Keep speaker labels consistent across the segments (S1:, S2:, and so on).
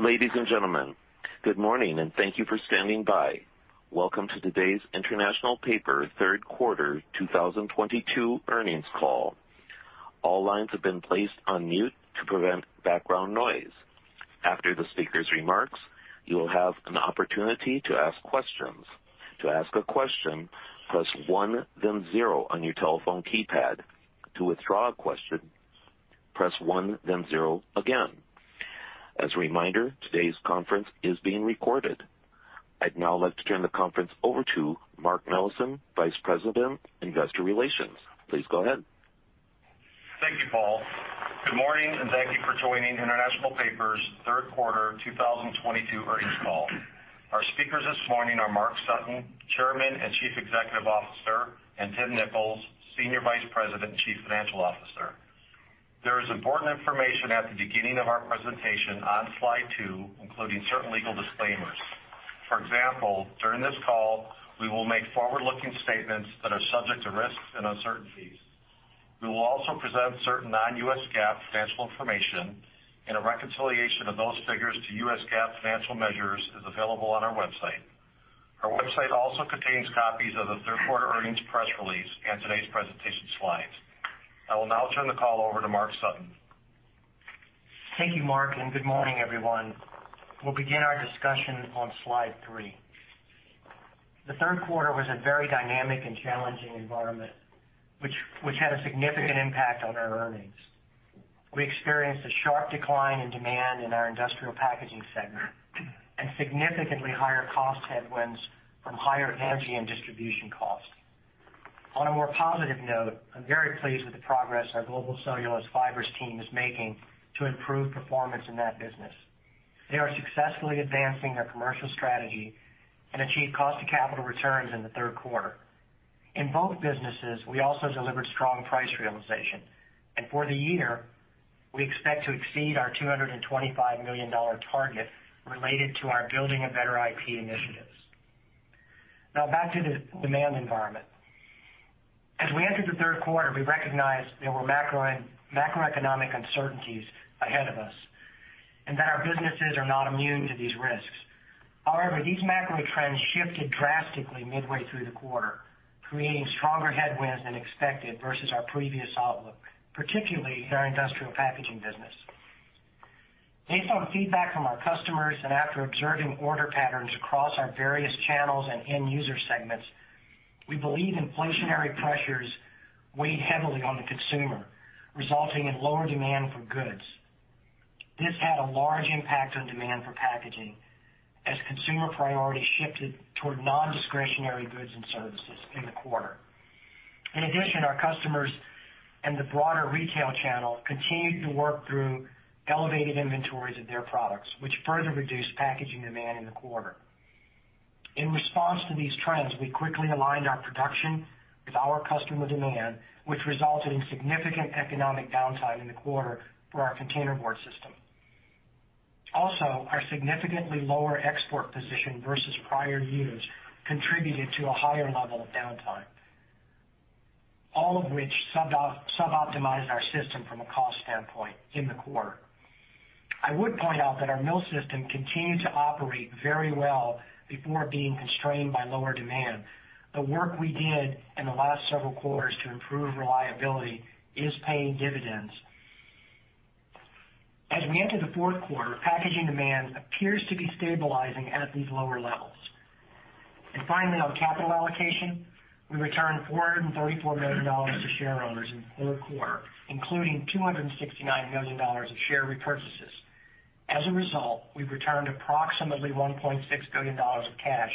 S1: Ladies and gentlemen, good morning, and thank you for standing by. Welcome to today's International Paper third quarter 2022 earnings call. All lines have been placed on mute to prevent background noise. After the speaker's remarks, you will have an opportunity to ask questions. To ask a question, press one, then zero on your telephone keypad. To withdraw a question, press one, then zero again. As a reminder, today's conference is being recorded. I'd now like to turn the conference over to Mark Nelson, Vice President, Investor Relations. Please go ahead.
S2: Thank you, Paul. Good morning, and thank you for joining International Paper's third quarter 2022 earnings call. Our speakers this morning are Mark Sutton, Chairman and Chief Executive Officer, and Tim Nicholls, Senior Vice President and Chief Financial Officer. There is important information at the beginning of our presentation on slide two, including certain legal disclaimers. For example, during this call, we will make forward-looking statements that are subject to risks and uncertainties. We will also present certain non-U.S. GAAP financial information, and a reconciliation of those figures to U.S. GAAP financial measures is available on our website. Our website also contains copies of the third quarter earnings press release and today's presentation slides. I will now turn the call over to Mark Sutton.
S3: Thank you, Mark, and good morning, everyone. We'll begin our discussion on slide three. The third quarter was a very dynamic and challenging environment, which had a significant impact on our earnings. We experienced a sharp decline in demand in our industrial packaging segment and significantly higher cost headwinds from higher energy and distribution costs. On a more positive note, I'm very pleased with the progress our Global Cellulose Fibers team is making to improve performance in that business. They are successfully advancing their commercial strategy and achieved cost to capital returns in the third quarter. In both businesses, we also delivered strong price realization. For the year, we expect to exceed our $225 million target related to our Building a Better IP initiatives. Now back to the demand environment. As we entered the third quarter, we recognized there were macroeconomic uncertainties ahead of us, and that our businesses are not immune to these risks. However, these macro trends shifted drastically midway through the quarter, creating stronger headwinds than expected versus our previous outlook, particularly in our industrial packaging business. Based on feedback from our customers and after observing order patterns across our various channels and end user segments, we believe inflationary pressures weighed heavily on the consumer, resulting in lower demand for goods. This had a large impact on demand for packaging as consumer priority shifted toward non-discretionary goods and services in the quarter. In addition, our customers and the broader retail channel continued to work through elevated inventories of their products, which further reduced packaging demand in the quarter. In response to these trends, we quickly aligned our production with our customer demand, which resulted in significant economic downtime in the quarter for our containerboard system. Also, our significantly lower export position versus prior years contributed to a higher level of downtime, all of which suboptimized our system from a cost standpoint in the quarter. I would point out that our mill system continued to operate very well before being constrained by lower demand. The work we did in the last several quarters to improve reliability is paying dividends. As we enter the fourth quarter, packaging demand appears to be stabilizing at these lower levels. Finally, on capital allocation, we returned $434 million to shareowners in the third quarter, including $269 million of share repurchases. As a result, we've returned approximately $1.6 billion of cash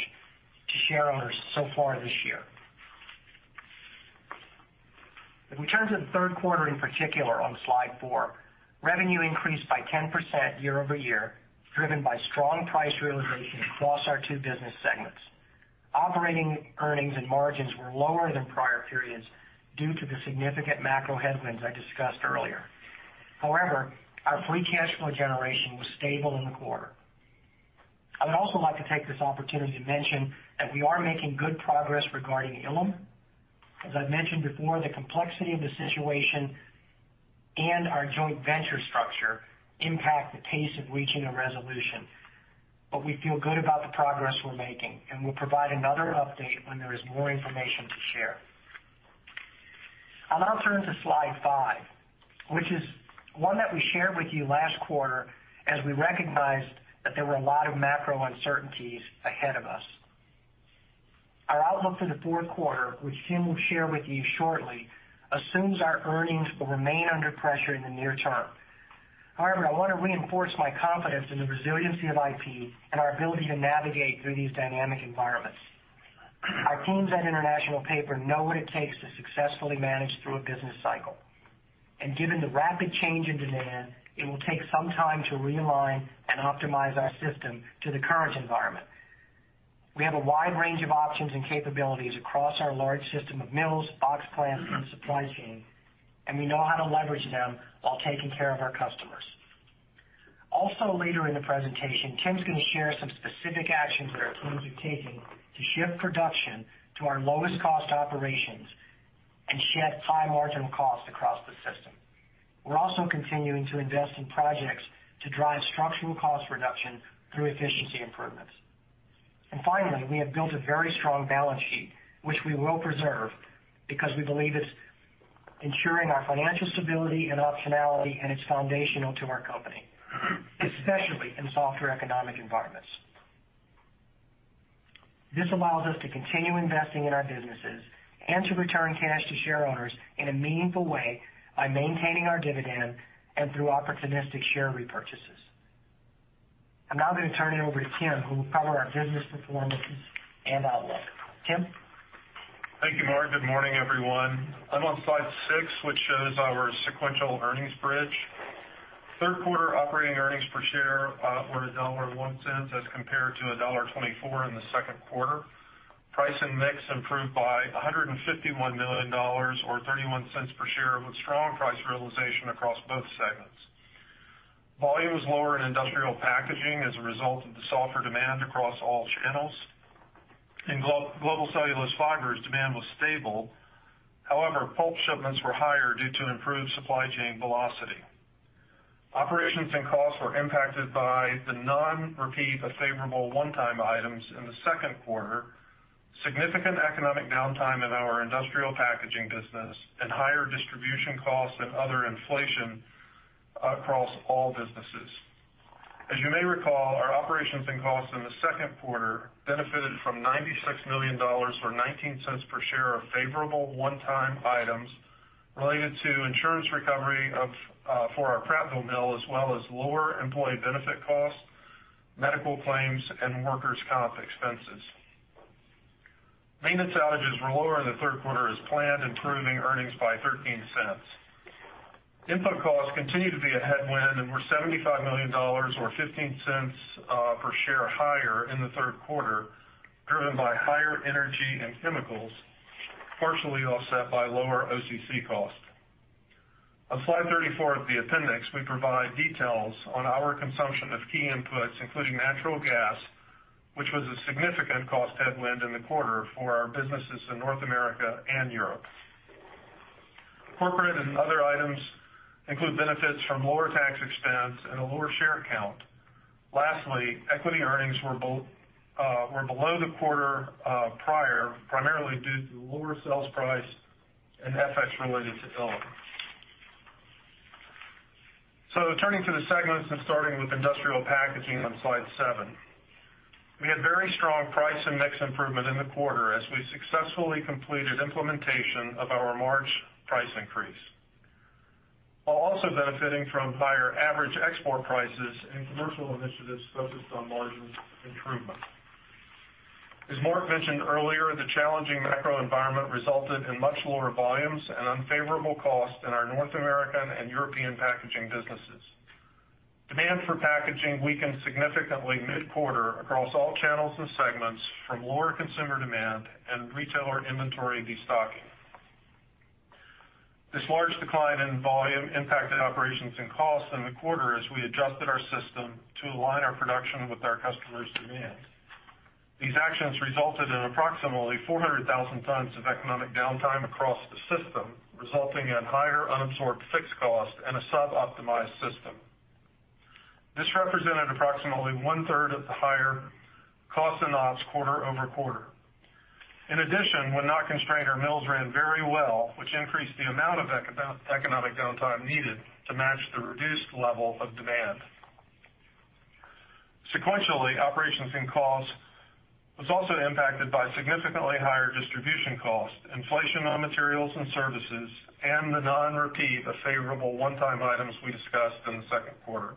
S3: to shareowners so far this year. If we turn to the third quarter in particular on slide four, revenue increased by 10% year-over-year, driven by strong price realization across our two business segments. Operating earnings and margins were lower than prior periods due to the significant macro headwinds I discussed earlier. However, our free cash flow generation was stable in the quarter. I would also like to take this opportunity to mention that we are making good progress regarding Ilim. As I've mentioned before, the complexity of the situation and our joint venture structure impact the pace of reaching a resolution. We feel good about the progress we're making, and we'll provide another update when there is more information to share. I'll now turn to slide five, which is one that we shared with you last quarter as we recognized that there were a lot of macro uncertainties ahead of us. Our outlook for the fourth quarter, which Tim will share with you shortly, assumes our earnings will remain under pressure in the near term. However, I want to reinforce my confidence in the resiliency of IP and our ability to navigate through these dynamic environments. Our teams at International Paper know what it takes to successfully manage through a business cycle. Given the rapid change in demand, it will take some time to realign and optimize our system to the current environment. We have a wide range of options and capabilities across our large system of mills, box plants, and supply chain, and we know how to leverage them while taking care of our customers. Also, later in the presentation, Tim's gonna share some specific actions that our teams are taking to shift production to our lowest cost operations. Shed high marginal costs across the system. We're also continuing to invest in projects to drive structural cost reduction through efficiency improvements. Finally, we have built a very strong balance sheet, which we will preserve because we believe it's ensuring our financial stability and optionality, and it's foundational to our company, especially in softer economic environments. This allows us to continue investing in our businesses and to return cash to shareowners in a meaningful way by maintaining our dividend and through opportunistic share repurchases. I'm now going to turn it over to Tim, who will cover our business performances and outlook. Tim?
S4: Thank you, Mark. Good morning, everyone. I'm on slide six, which shows our sequential earnings bridge. Third quarter operating earnings per share were $1.01 as compared to $1.24 in the second quarter. Price and mix improved by $151 million or $0.31 per share, with strong price realization across both segments. Volume was lower in Industrial Packaging as a result of the softer demand across all channels. In Global Cellulose Fibers, demand was stable. However, pulp shipments were higher due to improved supply chain velocity. Operations and costs were impacted by the non-repeat of favorable one-time items in the second quarter, significant economic downtime in our Industrial Packaging business, and higher distribution costs and other inflation across all businesses. As you may recall, our operations and costs in the second quarter benefited from $96 million or $0.19 per share of favorable one-time items related to insurance recovery for our Prattville Mill, as well as lower employee benefit costs, medical claims, and workers' comp expenses. Maintenance outages were lower in the third quarter as planned, improving earnings by $0.13. Input costs continued to be a headwind and were $75 million or $0.15 per share higher in the third quarter, driven by higher energy and chemicals, partially offset by lower OCC costs. On slide 34 of the appendix, we provide details on our consumption of key inputs, including natural gas, which was a significant cost headwind in the quarter for our businesses in North America and Europe. Corporate and other items include benefits from lower tax expense and a lower share count. Lastly, equity earnings were below the prior quarter, primarily due to lower sales price and FX related to Ilim. Turning to the segments and starting with Industrial Packaging on slide seven. We had very strong price and mix improvement in the quarter as we successfully completed implementation of our March price increase. While also benefiting from higher average export prices and commercial initiatives focused on margin improvement. As Mark mentioned earlier, the challenging macro environment resulted in much lower volumes and unfavorable costs in our North American and European packaging businesses. Demand for packaging weakened significantly mid-quarter across all channels and segments from lower consumer demand and retailer inventory destocking. This large decline in volume impacted operations and costs in the quarter as we adjusted our system to align our production with our customers' demands. These actions resulted in approximately 400,000 tons of economic downtime across the system, resulting in higher unabsorbed fixed cost and a sub-optimized system. This represented approximately one-third of the higher cost in ops quarter-over-quarter. In addition, when not constrained, our mills ran very well, which increased the amount of economic downtime needed to match the reduced level of demand. Sequentially, operations and costs was also impacted by significantly higher distribution costs, inflation on materials and services, and the non-repeat of favorable one-time items we discussed in the second quarter.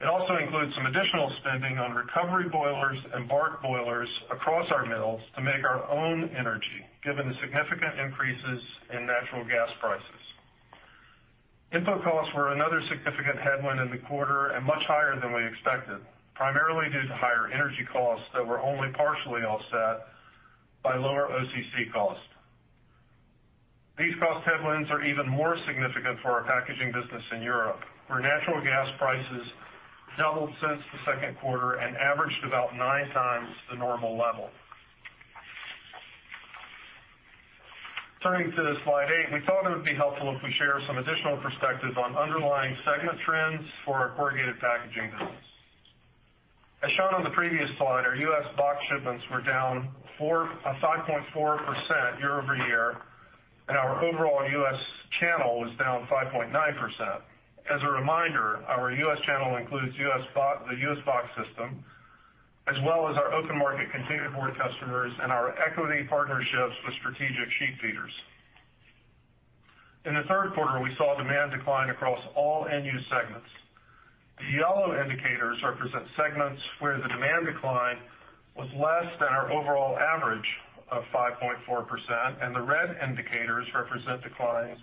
S4: It also includes some additional spending on recovery boilers and bark boilers across our mills to make our own energy, given the significant increases in natural gas prices. Input costs were another significant headwind in the quarter and much higher than we expected, primarily due to higher energy costs that were only partially offset by lower OCC costs. These cost headwinds are even more significant for our packaging business in Europe, where natural gas prices doubled since the second quarter and averaged about nine times the normal level. Turning to slide eight, we thought it would be helpful if we share some additional perspective on underlying segment trends for our corrugated packaging business. As shown on the previous slide, our U.S. box shipments were down 5.4% year-over-year, and our overall U.S. channel was down 5.9%. As a reminder, our U.S. channel includes the U.S. Box system, as well as our open market containerboard customers and our equity partnerships with strategic sheet feeders. In the third quarter, we saw demand decline across all end-use segments. The yellow indicators represent segments where the demand decline was less than our overall average of 5.4%, and the red indicators represent declines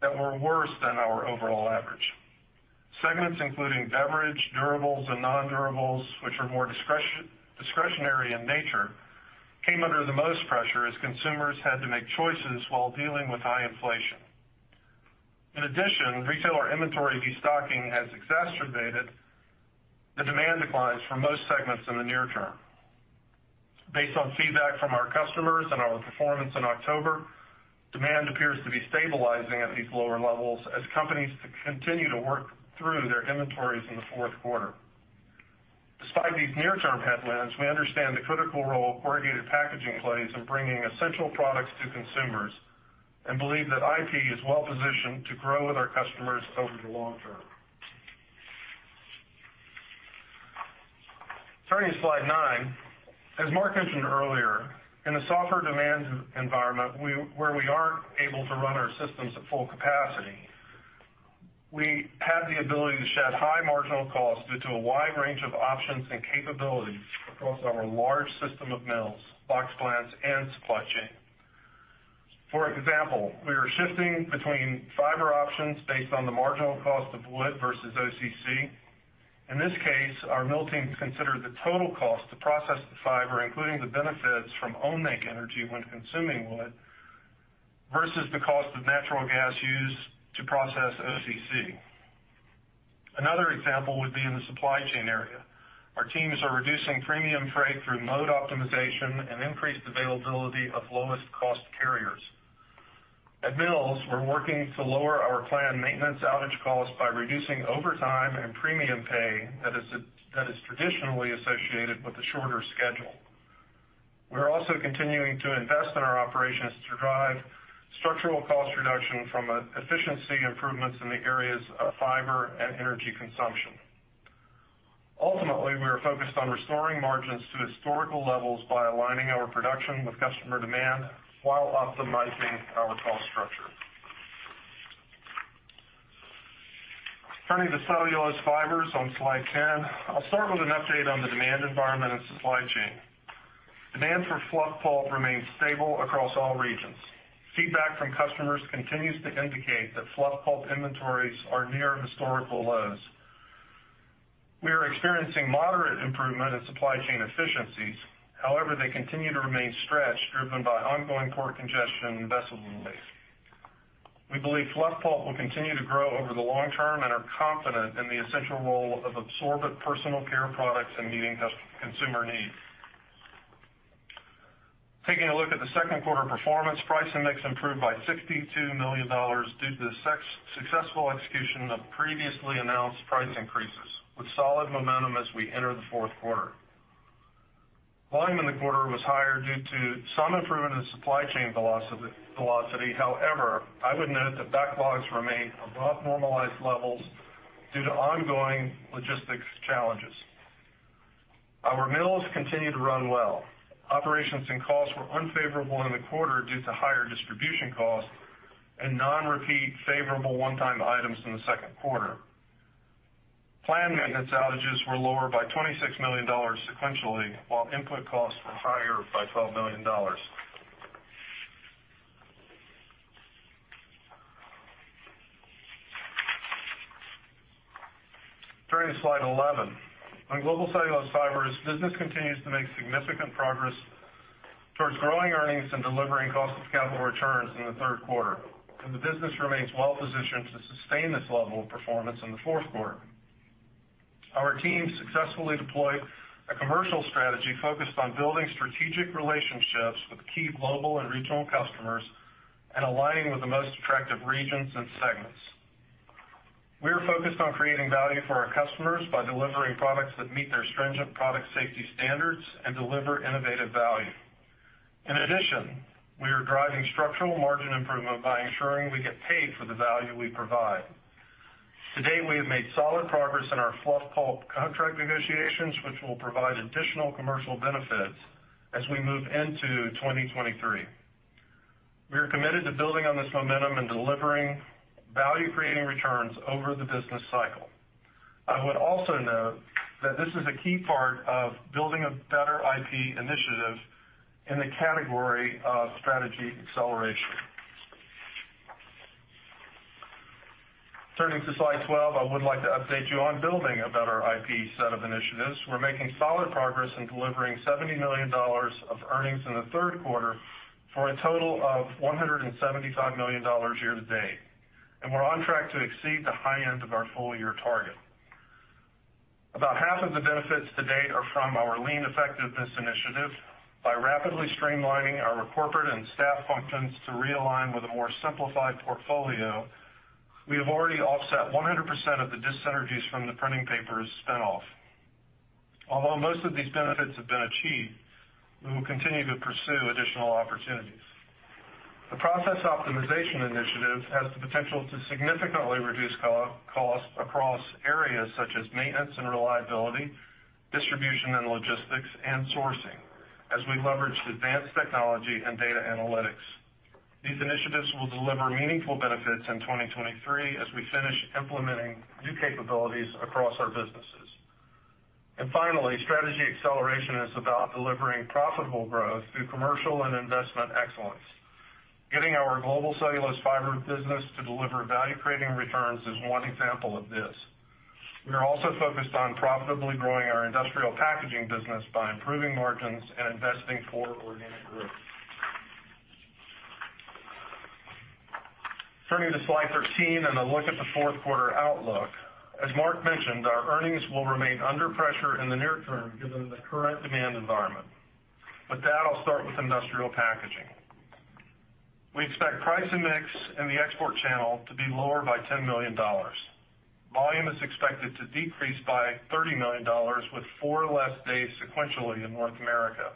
S4: that were worse than our overall average. Segments including beverage, durables, and nondurables, which are more discretionary in nature, came under the most pressure as consumers had to make choices while dealing with high inflation. In addition, retailer inventory destocking has exacerbated the demand declines for most segments in the near term. Based on feedback from our customers and our performance in October, demand appears to be stabilizing at these lower levels as companies continue to work through their inventories in the fourth quarter. Despite these near-term headwinds, we understand the critical role corrugated packaging plays in bringing essential products to consumers and believe that IP is well-positioned to grow with our customers over the long term. Turning to slide nine. As Mark mentioned earlier, in a softer demand environment where we aren't able to run our systems at full capacity, we have the ability to shed high marginal costs due to a wide range of options and capabilities across our large system of mills, box plants, and supply chain. For example, we are shifting between fiber options based on the marginal cost of wood versus OCC. In this case, our mill teams consider the total cost to process the fiber, including the benefits from own make energy when consuming wood versus the cost of natural gas used to process OCC. Another example would be in the supply chain area. Our teams are reducing premium freight through mode optimization and increased availability of lowest cost carriers. At mills, we're working to lower our planned maintenance outage costs by reducing overtime and premium pay that is traditionally associated with a shorter schedule. We're also continuing to invest in our operations to drive structural cost reduction from efficiency improvements in the areas of fiber and energy consumption. Ultimately, we are focused on restoring margins to historical levels by aligning our production with customer demand while optimizing our cost structure. Turning to cellulose fibers on slide 10. I'll start with an update on the demand environment and supply chain. Demand for fluff pulp remains stable across all regions. Feedback from customers continues to indicate that fluff pulp inventories are near historical lows. We are experiencing moderate improvement in supply chain efficiencies. However, they continue to remain stretched, driven by ongoing port congestion and vessel delays. We believe fluff pulp will continue to grow over the long term and are confident in the essential role of absorbent personal care products in meeting consumer needs. Taking a look at the second quarter performance, price mix improved by $62 million due to the successful execution of previously announced price increases, with solid momentum as we enter the fourth quarter. Volume in the quarter was higher due to some improvement in supply chain velocity. However, I would note that backlogs remain above normalized levels due to ongoing logistics challenges. Our mills continue to run well. Operations and costs were unfavorable in the quarter due to higher distribution costs and non-repeat favorable one-time items in the second quarter. Planned maintenance outages were lower by $26 million sequentially, while input costs were higher by $12 million. Turning to slide 11. On Global Cellulose Fibers, business continues to make significant progress towards growing earnings and delivering cost of capital returns in the third quarter, and the business remains well positioned to sustain this level of performance in the fourth quarter. Our team successfully deployed a commercial strategy focused on building strategic relationships with key global and regional customers and aligning with the most attractive regions and segments. We are focused on creating value for our customers by delivering products that meet their stringent product safety standards and deliver innovative value. In addition, we are driving structural margin improvement by ensuring we get paid for the value we provide. To date, we have made solid progress in our fluff pulp contract negotiations, which will provide additional commercial benefits as we move into 2023. We are committed to building on this momentum and delivering value-creating returns over the business cycle. I would also note that this is a key part of Building a Better IP initiative in the category of strategy acceleration. Turning to slide 12, I would like to update you on Building a Better IP set of initiatives. We're making solid progress in delivering $70 million of earnings in the third quarter for a total of $175 million year to date, and we're on track to exceed the high end of our full year target. About half of the benefits to date are from our lean effectiveness initiative. By rapidly streamlining our corporate and staff functions to realign with a more simplified portfolio, we have already offset 100% of the dyssynergies from the printing papers spin-off. Although most of these benefits have been achieved, we will continue to pursue additional opportunities. The process optimization initiative has the potential to significantly reduce costs across areas such as maintenance and reliability, distribution and logistics, and sourcing as we leverage advanced technology and data analytics. These initiatives will deliver meaningful benefits in 2023 as we finish implementing new capabilities across our businesses. Finally, strategy acceleration is about delivering profitable growth through commercial and investment excellence. Getting our Global Cellulose Fibers business to deliver value-creating returns is one example of this. We are also focused on profitably growing our industrial packaging business by improving margins and investing for organic growth. Turning to slide 13 and a look at the fourth quarter outlook. As Mark mentioned, our earnings will remain under pressure in the near term given the current demand environment. With that, I'll start with industrial packaging. We expect price and mix in the export channel to be lower by $10 million. Volume is expected to decrease by $30 million with four less days sequentially in North America,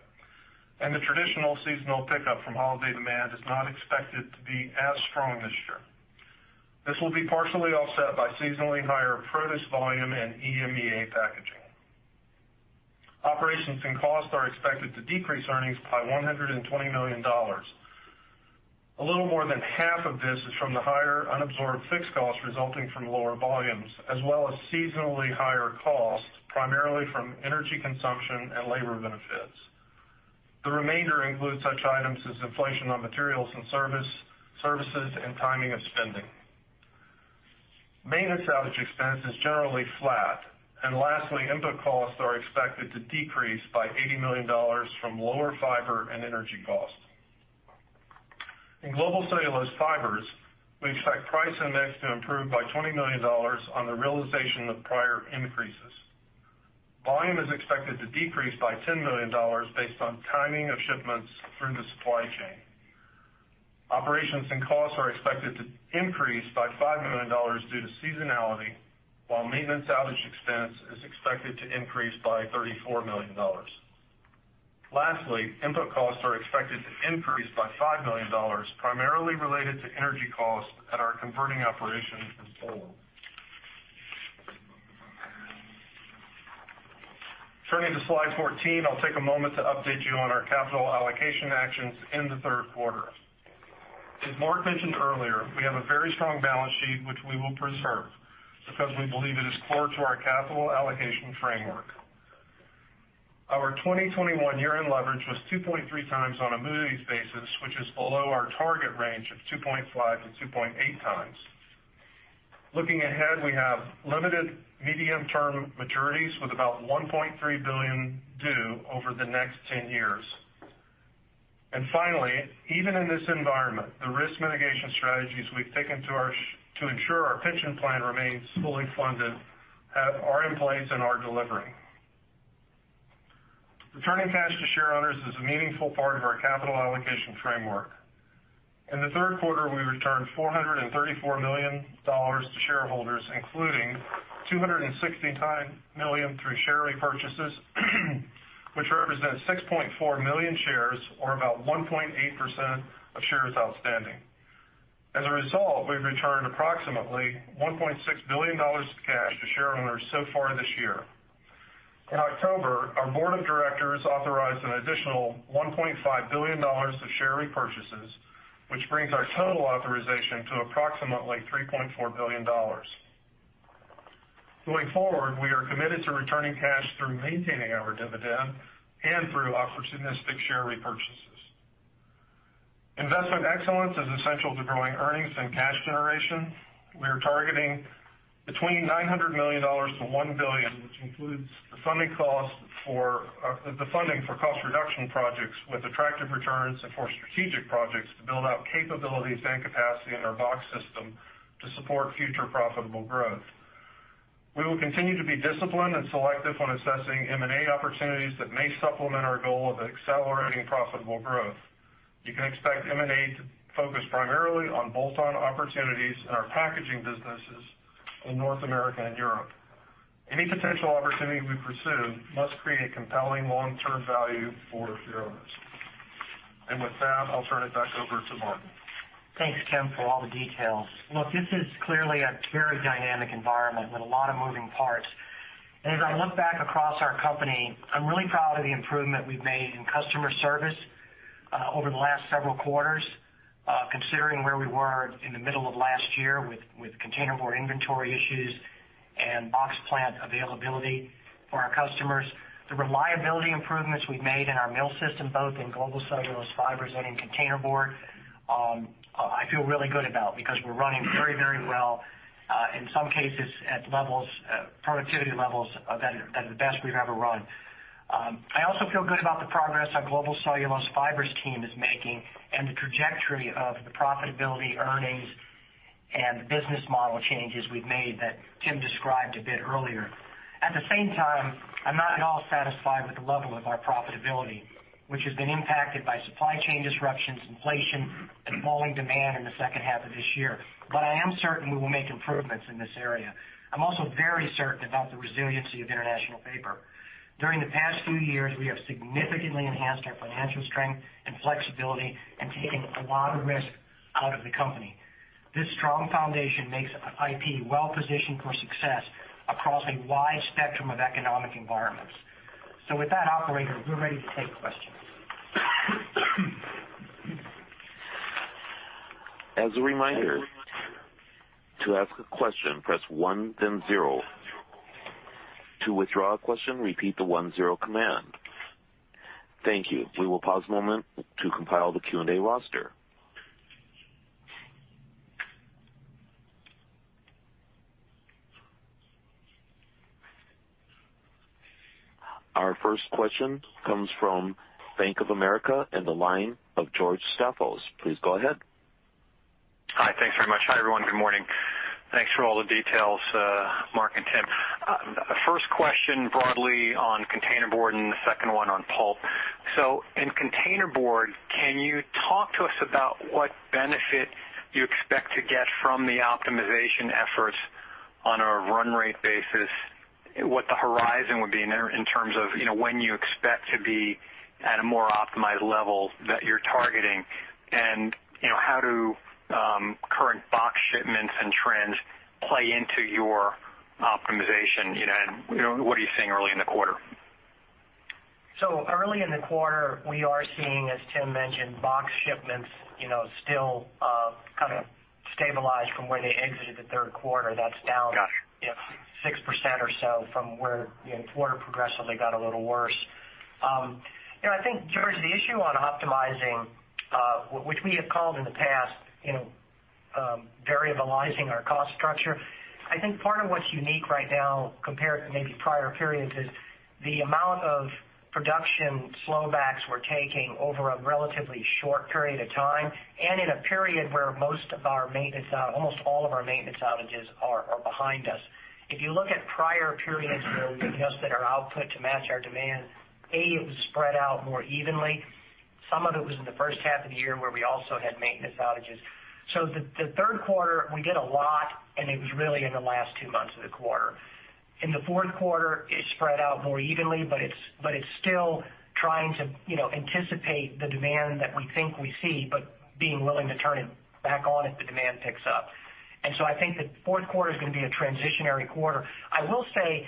S4: and the traditional seasonal pickup from holiday demand is not expected to be as strong this year. This will be partially offset by seasonally higher produce volume and EMEA packaging. Operations and costs are expected to decrease earnings by $120 million. A little more than half of this is from the higher unabsorbed fixed costs resulting from lower volumes, as well as seasonally higher costs, primarily from energy consumption and labor benefits. The remainder includes such items as inflation on materials and service, services and timing of spending. Maintenance outage expense is generally flat. Lastly, input costs are expected to decrease by $80 million from lower fiber and energy costs. In Global Cellulose Fibers, we expect price and mix to improve by $20 million on the realization of prior increases. Volume is expected to decrease by $10 million based on timing of shipments through the supply chain. Operations and costs are expected to increase by $5 million due to seasonality, while maintenance outage expense is expected to increase by $34 million. Lastly, input costs are expected to increase by $5 million, primarily related to energy costs at our converting operation in Poland. Turning to slide 14, I'll take a moment to update you on our capital allocation actions in the third quarter. As Mark mentioned earlier, we have a very strong balance sheet, which we will preserve because we believe it is core to our capital allocation framework. Our 2021 year-end leverage was 2.3x on a Moody's basis, which is below our target range of 2.5x-2.8x. Looking ahead, we have limited medium-term maturities with about $1.3 billion due over the next 10 years. Finally, even in this environment, the risk mitigation strategies we've taken to ensure our pension plan remains fully funded are in place and are delivering. Returning cash to shareholders is a meaningful part of our capital allocation framework. In the third quarter, we returned $434 million to shareholders, including $269 million through share repurchases, which represents 6.4 million shares or about 1.8% of shares outstanding. As a result, we've returned approximately $1.6 billion of cash to shareholders so far this year. In October, our board of directors authorized an additional $1.5 billion of share repurchases, which brings our total authorization to approximately $3.4 billion. Going forward, we are committed to returning cash through maintaining our dividend and through opportunistic share repurchases. Investment excellence is essential to growing earnings and cash generation. We are targeting between $900 million-$1 billion, which includes the funding cost for the funding for cost reduction projects with attractive returns and for strategic projects to build out capabilities and capacity in our box system to support future profitable growth. We will continue to be disciplined and selective when assessing M&A opportunities that may supplement our goal of accelerating profitable growth. You can expect M&A to focus primarily on bolt-on opportunities in our packaging businesses in North America and Europe. Any potential opportunity we pursue must create a compelling long-term value for shareholders. With that, I'll turn it back over to Mark.
S3: Thanks, Tim, for all the details. Look, this is clearly a very dynamic environment with a lot of moving parts. As I look back across our company, I'm really proud of the improvement we've made in customer service over the last several quarters, considering where we were in the middle of last year with containerboard inventory issues and box plant availability for our customers. The reliability improvements we've made in our mill system, both in Global Cellulose Fibers and in containerboard, I feel really good about because we're running very, very well in some cases, at levels, productivity levels better than the best we've ever run. I also feel good about the progress our Global Cellulose Fibers team is making and the trajectory of the profitability, earnings, and the business model changes we've made that Tim described a bit earlier. At the same time, I'm not at all satisfied with the level of our profitability, which has been impacted by supply chain disruptions, inflation, and falling demand in the second half of this year. I am certain we will make improvements in this area. I'm also very certain about the resiliency of International Paper. During the past few years, we have significantly enhanced our financial strength and flexibility and taken a lot of risk out of the company. This strong foundation makes IP well-positioned for success across a wide spectrum of economic environments. With that, operator, we're ready to take questions.
S1: As a reminder, to ask a question, press one then zero. To withdraw a question, repeat the one zero command. Thank you. We will pause a moment to compile the Q&A roster. Our first question comes from Bank of America on the line of George Staphos. Please go ahead.
S5: Hi. Thanks very much. Hi, everyone. Good morning. Thanks for all the details, Mark and Tim. First question broadly on containerboard and the second one on pulp. In containerboard, can you talk to us about what benefit you expect to get from the optimization efforts on a run rate basis, what the horizon would be in terms of, you know, when you expect to be at a more optimized level that you're targeting? How do current box shipments and trends play into your optimization, you know, and what are you seeing early in the quarter?
S3: Early in the quarter, we are seeing, as Tim mentioned, box shipments, you know, still, kind of stabilized from where they exited the third quarter. That's down.
S5: Got it.
S3: You know, 6% or so from where, you know, quarter progressively got a little worse. You know, I think, George, the issue on optimizing, which we have called in the past, you know, variabilizing our cost structure, I think part of what's unique right now compared to maybe prior periods is the amount of production slowdowns we're taking over a relatively short period of time, and in a period where most of our maintenance outages almost all of our maintenance outages are behind us. If you look at prior periods where we adjusted our output to match our demand, A, it was spread out more evenly. Some of it was in the first half of the year where we also had maintenance outages. The third quarter, we did a lot, and it was really in the last two months of the quarter. In the fourth quarter, it spread out more evenly, but it's still trying to, you know, anticipate the demand that we think we see, but being willing to turn it back on if the demand picks up. I think the fourth quarter is gonna be a transitionary quarter. I will say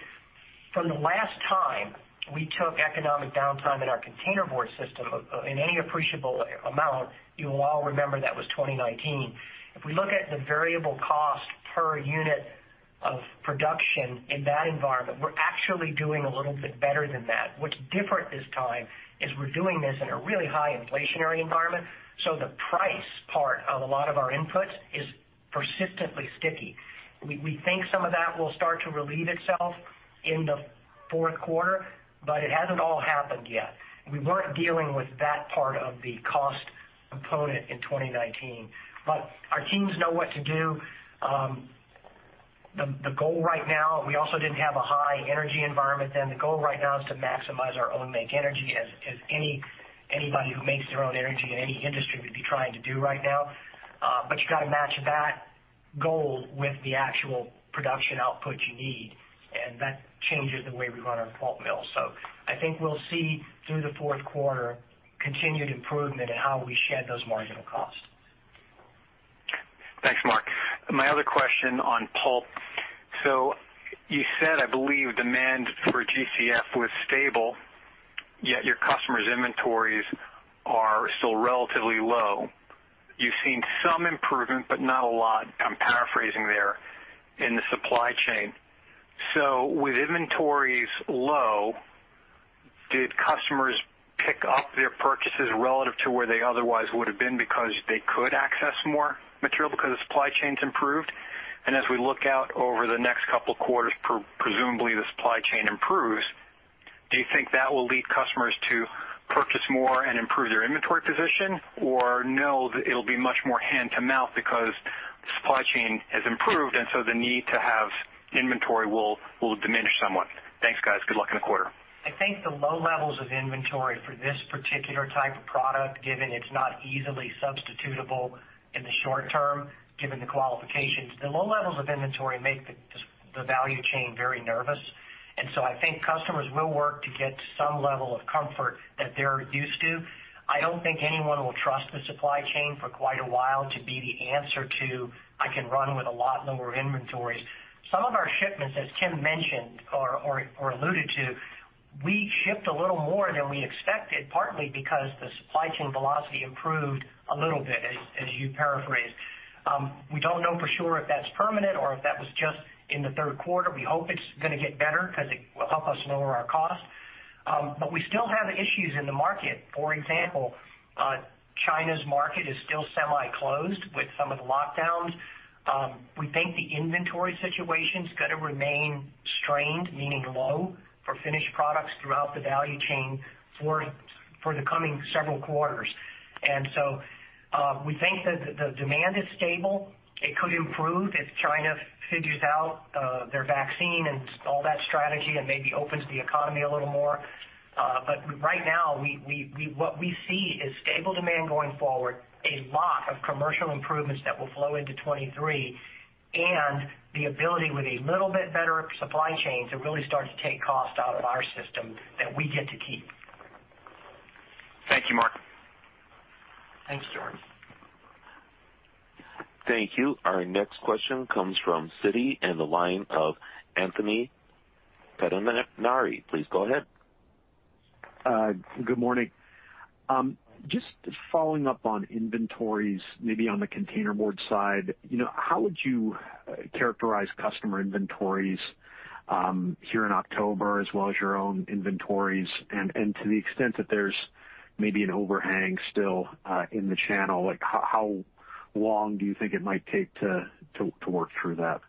S3: from the last time we took economic downtime in our containerboard system in any appreciable amount, you will all remember that was 2019. If we look at the variable cost per unit of production in that environment, we're actually doing a little bit better than that. What's different this time is we're doing this in a really high inflationary environment, so the price part of a lot of our inputs is persistently sticky. We think some of that will start to relieve itself in the fourth quarter, but it hasn't all happened yet. We weren't dealing with that part of the cost component in 2019. Our teams know what to do. We also didn't have a high energy environment then. The goal right now is to maximize our own make energy as anybody who makes their own energy in any industry would be trying to do right now. You got to match that goal with the actual production output you need, and that changes the way we run our pulp mill. I think we'll see through the fourth quarter continued improvement in how we shed those marginal costs.
S5: Thanks, Mark. My other question on pulp. You said, I believe, demand for GCF was stable, yet your customers' inventories are still relatively low. You've seen some improvement, but not a lot, I'm paraphrasing there, in the supply chain. With inventories low, did customers pick up their purchases relative to where they otherwise would have been because they could access more material because the supply chain's improved? As we look out over the next couple of quarters, presumably the supply chain improves, do you think that will lead customers to purchase more and improve their inventory position? No, it'll be much more hand to mouth because the supply chain has improved, and so the need to have inventory will diminish somewhat. Thanks, guys. Good luck in the quarter.
S3: I think the low levels of inventory for this particular type of product, given it's not easily substitutable in the short term, given the qualifications, the low levels of inventory make the value chain very nervous. I think customers will work to get to some level of comfort that they're used to. I don't think anyone will trust the supply chain for quite a while to be the answer to, "I can run with a lot lower inventories." Some of our shipments, as Tim mentioned or alluded to, we shipped a little more than we expected, partly because the supply chain velocity improved a little bit, as you paraphrased. We don't know for sure if that's permanent or if that was just in the third quarter. We hope it's gonna get better because it will help us lower our costs. We still have issues in the market. For example, China's market is still semi-closed with some of the lockdowns. We think the inventory situation is gonna remain strained, meaning low for finished products throughout the value chain for the coming several quarters. We think that the demand is stable. It could improve if China figures out their vaccine and all that strategy and maybe opens the economy a little more. Right now, what we see is stable demand going forward, a lot of commercial improvements that will flow into 2023, and the ability with a little bit better supply chains to really start to take cost out of our system that we get to keep.
S5: Thank you, Mark.
S3: Thanks, George.
S1: Thank you. Our next question comes from Citi, and the line of Anthony Pettinari. Please go ahead.
S6: Good morning. Just following up on inventories, maybe on the containerboard side, you know, how would you characterize customer inventories here in October, as well as your own inventories? To the extent that there's maybe an overhang still in the channel, like, how long do you think it might take to work through that?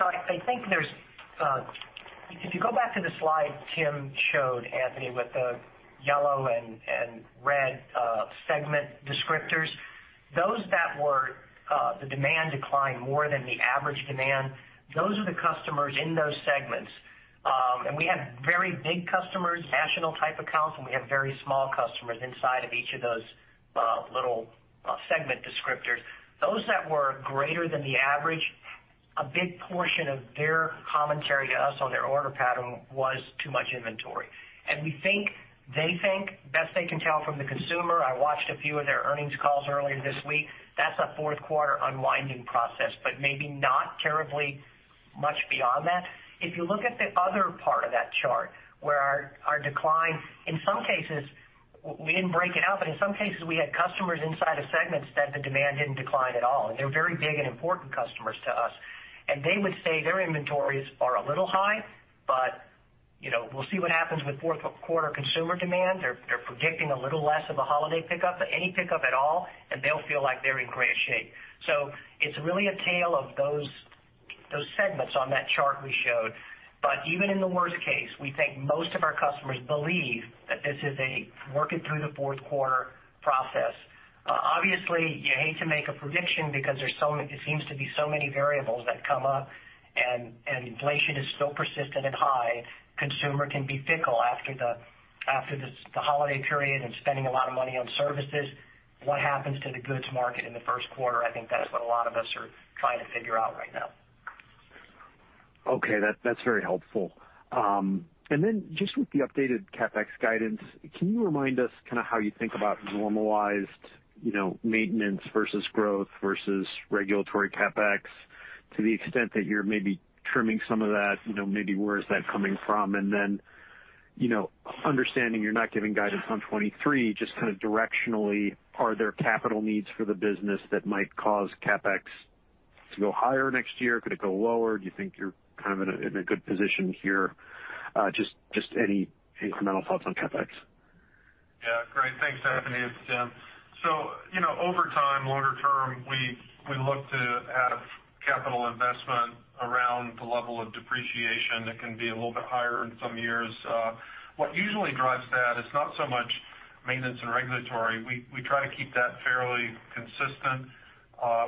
S3: I think there's. If you go back to the slide Tim showed Anthony with the yellow and red segment descriptors, those that were the demand declined more than the average demand, those are the customers in those segments. We have very big customers, national type accounts, and we have very small customers inside of each of those little segment descriptors. Those that were greater than the average, a big portion of their commentary to us on their order pattern was too much inventory. We think they think, best they can tell from the consumer, I watched a few of their earnings calls earlier this week, that's a fourth quarter unwinding process, but maybe not terribly much beyond that. If you look at the other part of that chart where our decline, in some cases, we didn't break it out, but in some cases, we had customers inside of segments that the demand didn't decline at all, and they're very big and important customers to us. They would say their inventories are a little high, but, you know, we'll see what happens with fourth quarter consumer demand. They're predicting a little less of a holiday pickup, but any pickup at all, and they'll feel like they're in great shape. It's really a tale of those segments on that chart we showed. Even in the worst case, we think most of our customers believe that this is a work it through the fourth quarter process. Obviously, you hate to make a prediction because it seems to be so many variables that come up and inflation is still persistent and high. The consumer can be fickle after this holiday period and spending a lot of money on services. What happens to the goods market in the first quarter, I think that's what a lot of us are trying to figure out right now.
S6: Okay. That's very helpful. And then just with the updated CapEx guidance, can you remind us kinda how you think about normalized, you know, maintenance versus growth versus regulatory CapEx to the extent that you're maybe trimming some of that? You know, maybe where is that coming from? And then, you know, understanding you're not giving guidance on 2023, just kinda directionally, are there capital needs for the business that might cause CapEx to go higher next year? Could it go lower? Do you think you're kind of in a good position here? Just any incremental thoughts on CapEx.
S4: Yeah, great. Thanks, Anthony. It's Tim. So, you know, over time, longer term, we look to add capital investment around the level of depreciation that can be a little bit higher in some years. What usually drives that is not so much maintenance and regulatory. We try to keep that fairly consistent.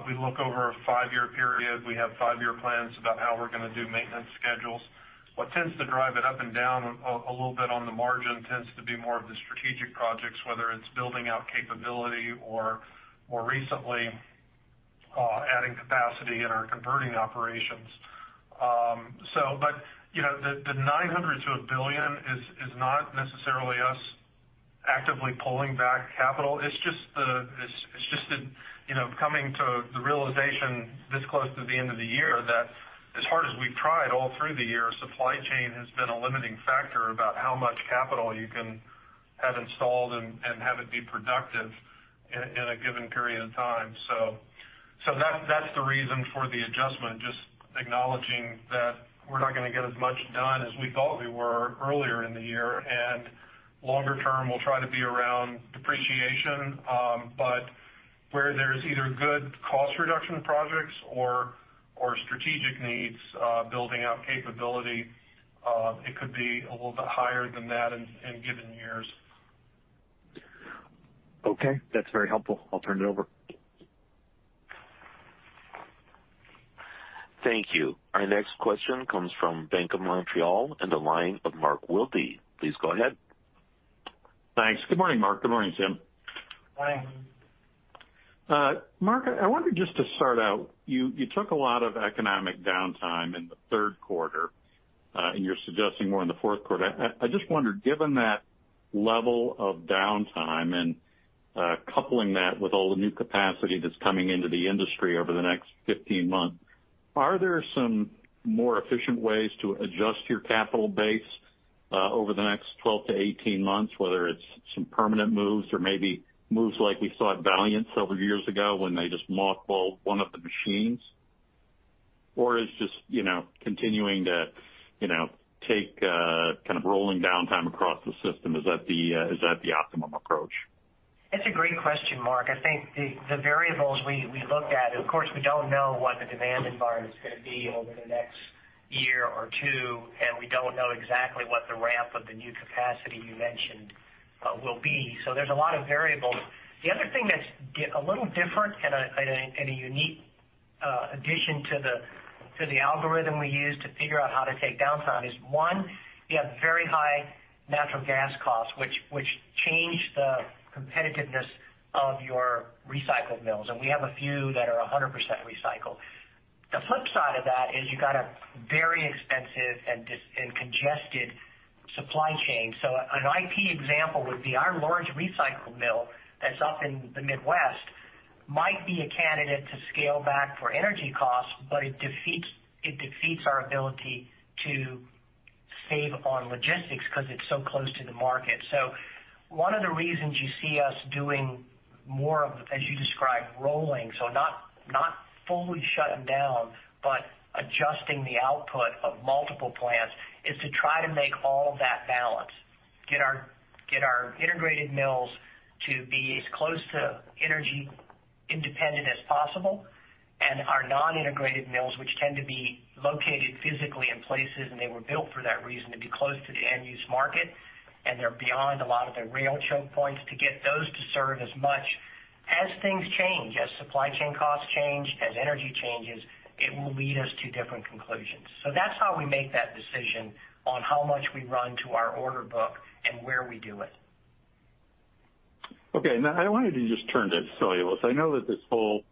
S4: We look over a five-year period. We have five-year plans about how we're gonna do maintenance schedules. What tends to drive it up and down a little bit on the margin tends to be more of the strategic projects, whether it's building out capability or more recently, adding capacity in our converting operations. You know, the $900 million-$1 billion is not necessarily us actively pulling back capital. It's just the, you know, coming to the realization this close to the end of the year that as hard as we've tried all through the year, supply chain has been a limiting factor about how much capital you can have installed and have it be productive in a given period of time. So that's the reason for the adjustment, just acknowledging that we're not gonna get as much done as we thought we were earlier in the year, and longer term, we'll try to be around depreciation. But where there's either good cost reduction projects or strategic needs, building out capability, it could be a little bit higher than that in given years.
S6: Okay, that's very helpful. I'll turn it over.
S1: Thank you. Our next question comes from Bank of Montreal and the line of Mark Wilde. Please go ahead.
S7: Thanks. Good morning, Mark. Good morning, Tim.
S3: Morning.
S7: Mark, I wanted just to start out, you took a lot of economic downtime in the third quarter, and you're suggesting more in the fourth quarter. I just wonder, given that level of downtime and coupling that with all the new capacity that's coming into the industry over the next 15 months, are there some more efficient ways to adjust your capital base over the next 12 months-18 months, whether it's some permanent moves or maybe moves like we saw at Valliant several years ago when they just mothballed one of the machines? Or is just, you know, continuing to, you know, take kind of rolling downtime across the system, is that the optimum approach?
S3: That's a great question, Mark. I think the variables we look at, of course, we don't know what the demand environment is gonna be over the next year or two, and we don't know exactly what the ramp of the new capacity you mentioned will be. So there's a lot of variables. The other thing that's a little different and a unique addition to the algorithm we use to figure out how to take downtime is, one, you have very high natural gas costs, which change the competitiveness of your recycled mills, and we have a few that are 100% recycled. The flip side of that is you got a very expensive and congested supply chain. An IP example would be our large recycle mill that's up in the Midwest might be a candidate to scale back for energy costs, but it defeats our ability to save on logistics because it's so close to the market. One of the reasons you see us doing more of, as you described, rolling, not fully shutting down, but adjusting the output of multiple plants, is to try to make all of that balance, get our integrated mills to be as close to energy independent as possible, and our non-integrated mills, which tend to be located physically in places, and they were built for that reason, to be close to the end-use market, and they're beyond a lot of the rail choke points to get those to serve as much. As things change, as supply chain costs change, as energy changes, it will lead us to different conclusions. That's how we make that decision on how much we run to our order book and where we do it.
S7: Okay. Now I wanted to just turn to cellulose. I know that this whole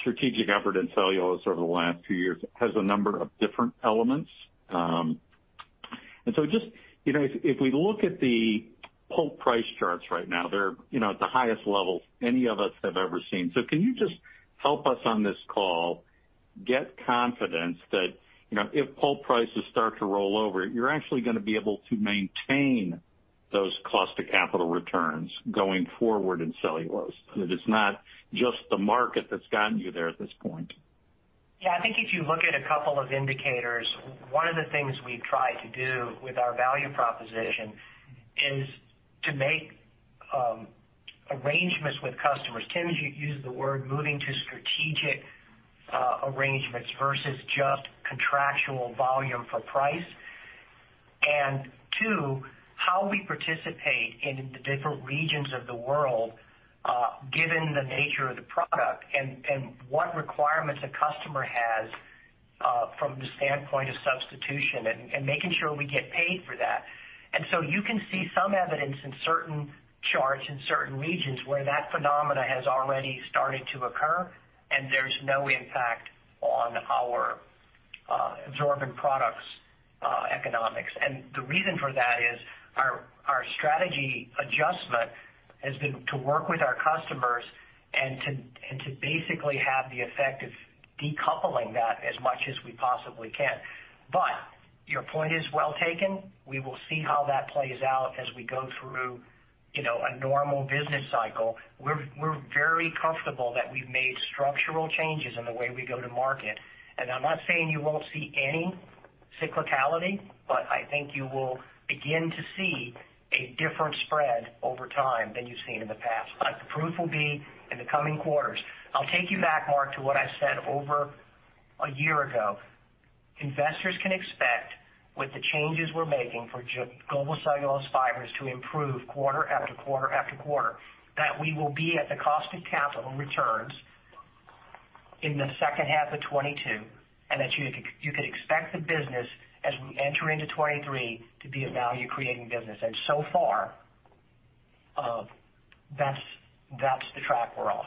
S7: strategic effort in cellulose over the last two years has a number of different elements. Just, you know, if we look at the pulp price charts right now, they're, you know, at the highest levels any of us have ever seen. Can you just help us on this call get confidence that, you know, if pulp prices start to roll over, you're actually gonna be able to maintain those cost to capital returns going forward in cellulose? That it's not just the market that's gotten you there at this point.
S3: Yeah. I think if you look at a couple of indicators, one of the things we've tried to do with our value proposition is to make arrangements with customers. Tim, you used the word moving to strategic arrangements versus just contractual volume for price. Two, how we participate in the different regions of the world, given the nature of the product and what requirements a customer has, from the standpoint of substitution and making sure we get paid for that. You can see some evidence in certain charts, in certain regions where that phenomena has already started to occur, and there's no impact on our absorbent products' economics. The reason for that is our strategy adjustment has been to work with our customers and to basically have the effect of decoupling that as much as we possibly can. Your point is well taken. We will see how that plays out as we go through, you know, a normal business cycle. We're very comfortable that we've made structural changes in the way we go to market. I'm not saying you won't see any cyclicality, but I think you will begin to see a different spread over time than you've seen in the past. The proof will be in the coming quarters. I'll take you back, Mark, to what I said over a year ago. Investors can expect with the changes we're making for Global Cellulose Fibers to improve quarter after quarter after quarter, that we will be at the cost of capital returns in the second half of 2022, and that you could expect the business as we enter into 2023 to be a value-creating business. So far, that's the track we're on.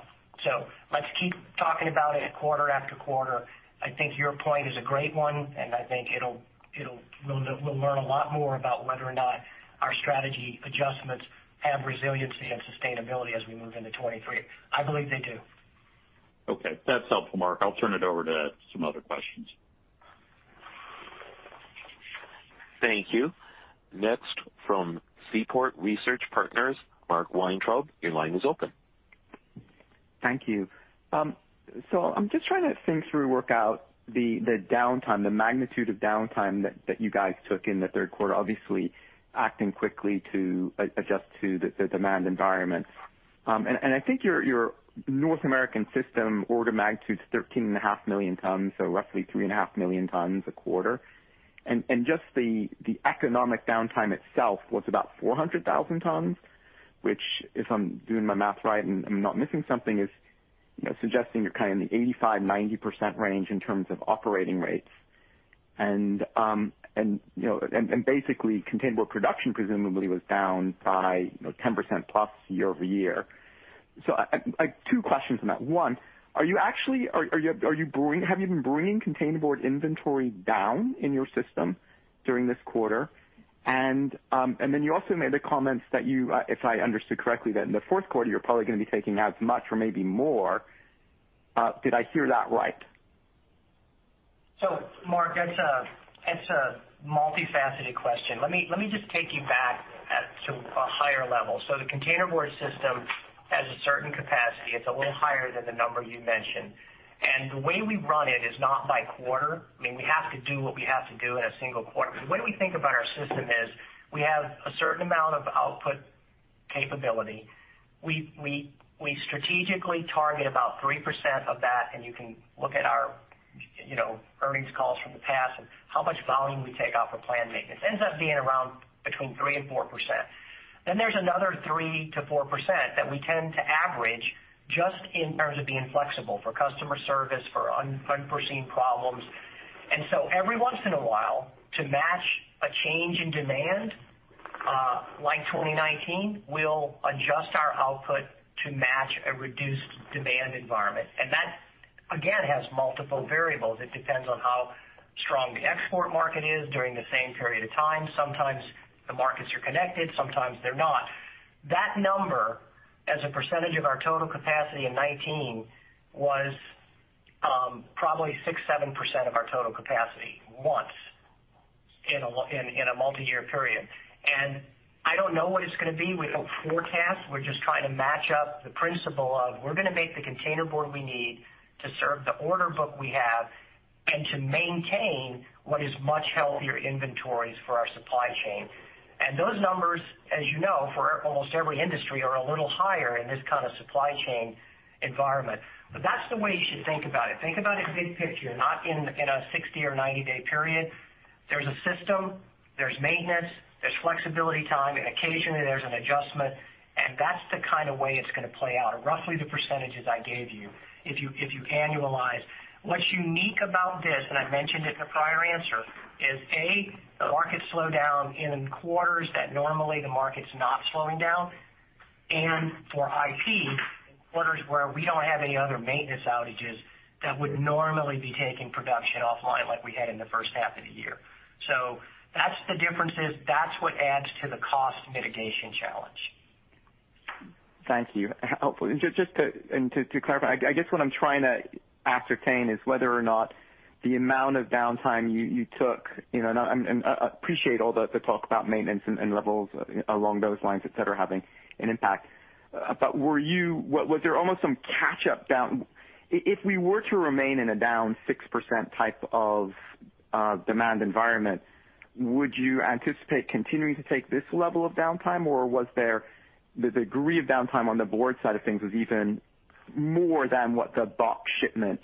S3: Let's keep talking about it quarter after quarter. I think your point is a great one, and I think we'll learn a lot more about whether or not our strategy adjustments have resiliency and sustainability as we move into 2023. I believe they do.
S7: Okay. That's helpful, Mark. I'll turn it over to some other questions.
S1: Thank you. Next from Seaport Research Partners, Mark Weintraub, your line is open.
S8: Thank you. I'm just trying to think through, work out the downtime, the magnitude of downtime that you guys took in the third quarter, obviously acting quickly to adjust to the demand environment. I think your North American system order of magnitude is 13.5 million tons, so roughly 3.5 million tons a quarter. Just the economic downtime itself was about 400,000 tons, which, if I'm doing my math right and I'm not missing something, is, you know, suggesting you're kind of in the 85%-90% range in terms of operating rates. You know, basically containerboard production presumably was down by, you know, 10%+ year-over-year. Two questions on that. One, have you been bringing containerboard inventory down in your system during this quarter? You also made the comments that you, if I understood correctly, that in the fourth quarter you're probably gonna be taking out as much or maybe more. Did I hear that right?
S3: Mark, that's a multifaceted question. Let me just take you back to a higher level. The containerboard system has a certain capacity. It's a little higher than the number you mentioned. The way we run it is not by quarter. I mean, we have to do what we have to do in a single quarter. The way we think about our system is we have a certain amount of output capability. We strategically target about 3% of that, and you can look at our, you know, earnings calls from the past and how much volume we take out for planned maintenance. Ends up being around between 3% and 4%. Then there's another 3%-4% that we tend to average just in terms of being flexible for customer service, for unforeseen problems. Every once in a while, to match a change in demand, like 2019, we'll adjust our output to match a reduced demand environment. That, again, has multiple variables. It depends on how strong the export market is during the same period of time. Sometimes the markets are connected, sometimes they're not. That number as a percentage of our total capacity in 2019 was probably 6%-7% of our total capacity once in a multi-year period. I don't know what it's gonna be. We don't forecast. We're just trying to match up the principle of we're gonna make the containerboard we need to serve the order book we have and to maintain what is much healthier inventories for our supply chain. Those numbers, as you know, for almost every industry, are a little higher in this kind of supply chain environment. That's the way you should think about it. Think about it big picture, not in a 60-day or 90-day period. There's a system, there's maintenance, there's flexibility, time, and occasionally there's an adjustment, and that's the kind of way it's gonna play out. Roughly the percentages I gave you if you annualize. What's unique about this, and I mentioned it in a prior answer, is, A, markets slow down in quarters that normally the market's not slowing down. For IP, quarters where we don't have any other maintenance outages that would normally be taking production offline like we had in the first half of the year. That's the differences. That's what adds to the cost mitigation challenge.
S8: Thank you. Helpful. Just to clarify, I guess what I'm trying to ascertain is whether or not the amount of downtime you took, you know, and I appreciate all the talk about maintenance and levels along those lines, et cetera, having an impact. Was there almost some catch up down? If we were to remain in a down 6% type of demand environment, would you anticipate continuing to take this level of downtime, or was there the degree of downtime on the board side of things was even more than what the box shipment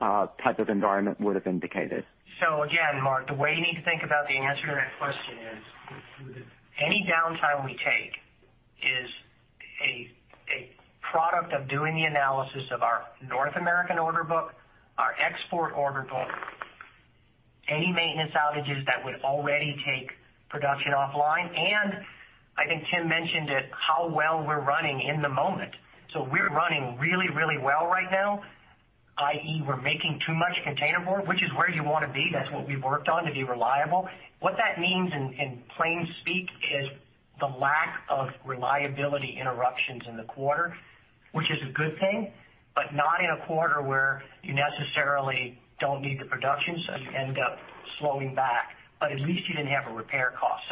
S8: type of environment would have indicated?
S3: Again, Mark, the way you need to think about the answer to that question is any downtime we take is a product of doing the analysis of our North American order book, our export order book, any maintenance outages that would already take production offline. I think Tim mentioned it, how well we're running in the moment. We're running really, really well right now, i.e., we're making too much containerboard, which is where you wanna be. That's what we've worked on to be reliable. What that means in plain speak is the lack of reliability interruptions in the quarter, which is a good thing, but not in a quarter where you necessarily don't need the production, so you end up slowing back, but at least you didn't have a repair cost.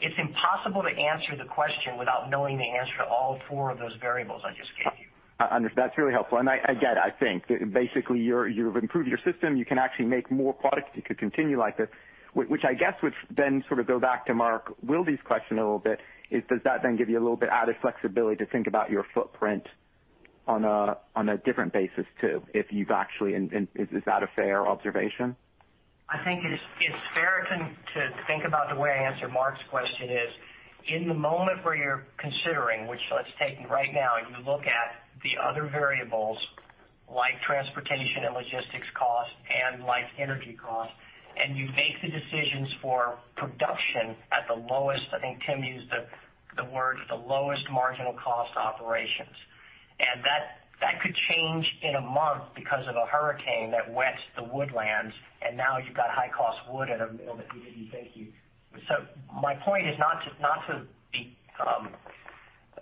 S3: It's impossible to answer the question without knowing the answer to all four of those variables I just gave you.
S8: Understood. That's really helpful. I get it. I think basically you've improved your system. You can actually make more products if you could continue like this. Which I guess would then sort of go back to Mark Wilde's question a little bit. Does that then give you a little bit added flexibility to think about your footprint on a different basis too, if you've actually done that? Is that a fair observation?
S3: I think it's fair to think about the way I answered Mark's question. In the moment where you're considering, which let's take right now, you look at the other variables like transportation and logistics costs and like energy costs, and you make the decisions for production at the lowest. I think Tim used the word, the lowest marginal cost operations. That could change in a month because of a hurricane that wets the woodlands, and now you've got high cost wood in a mill that you didn't think you. My point is not to be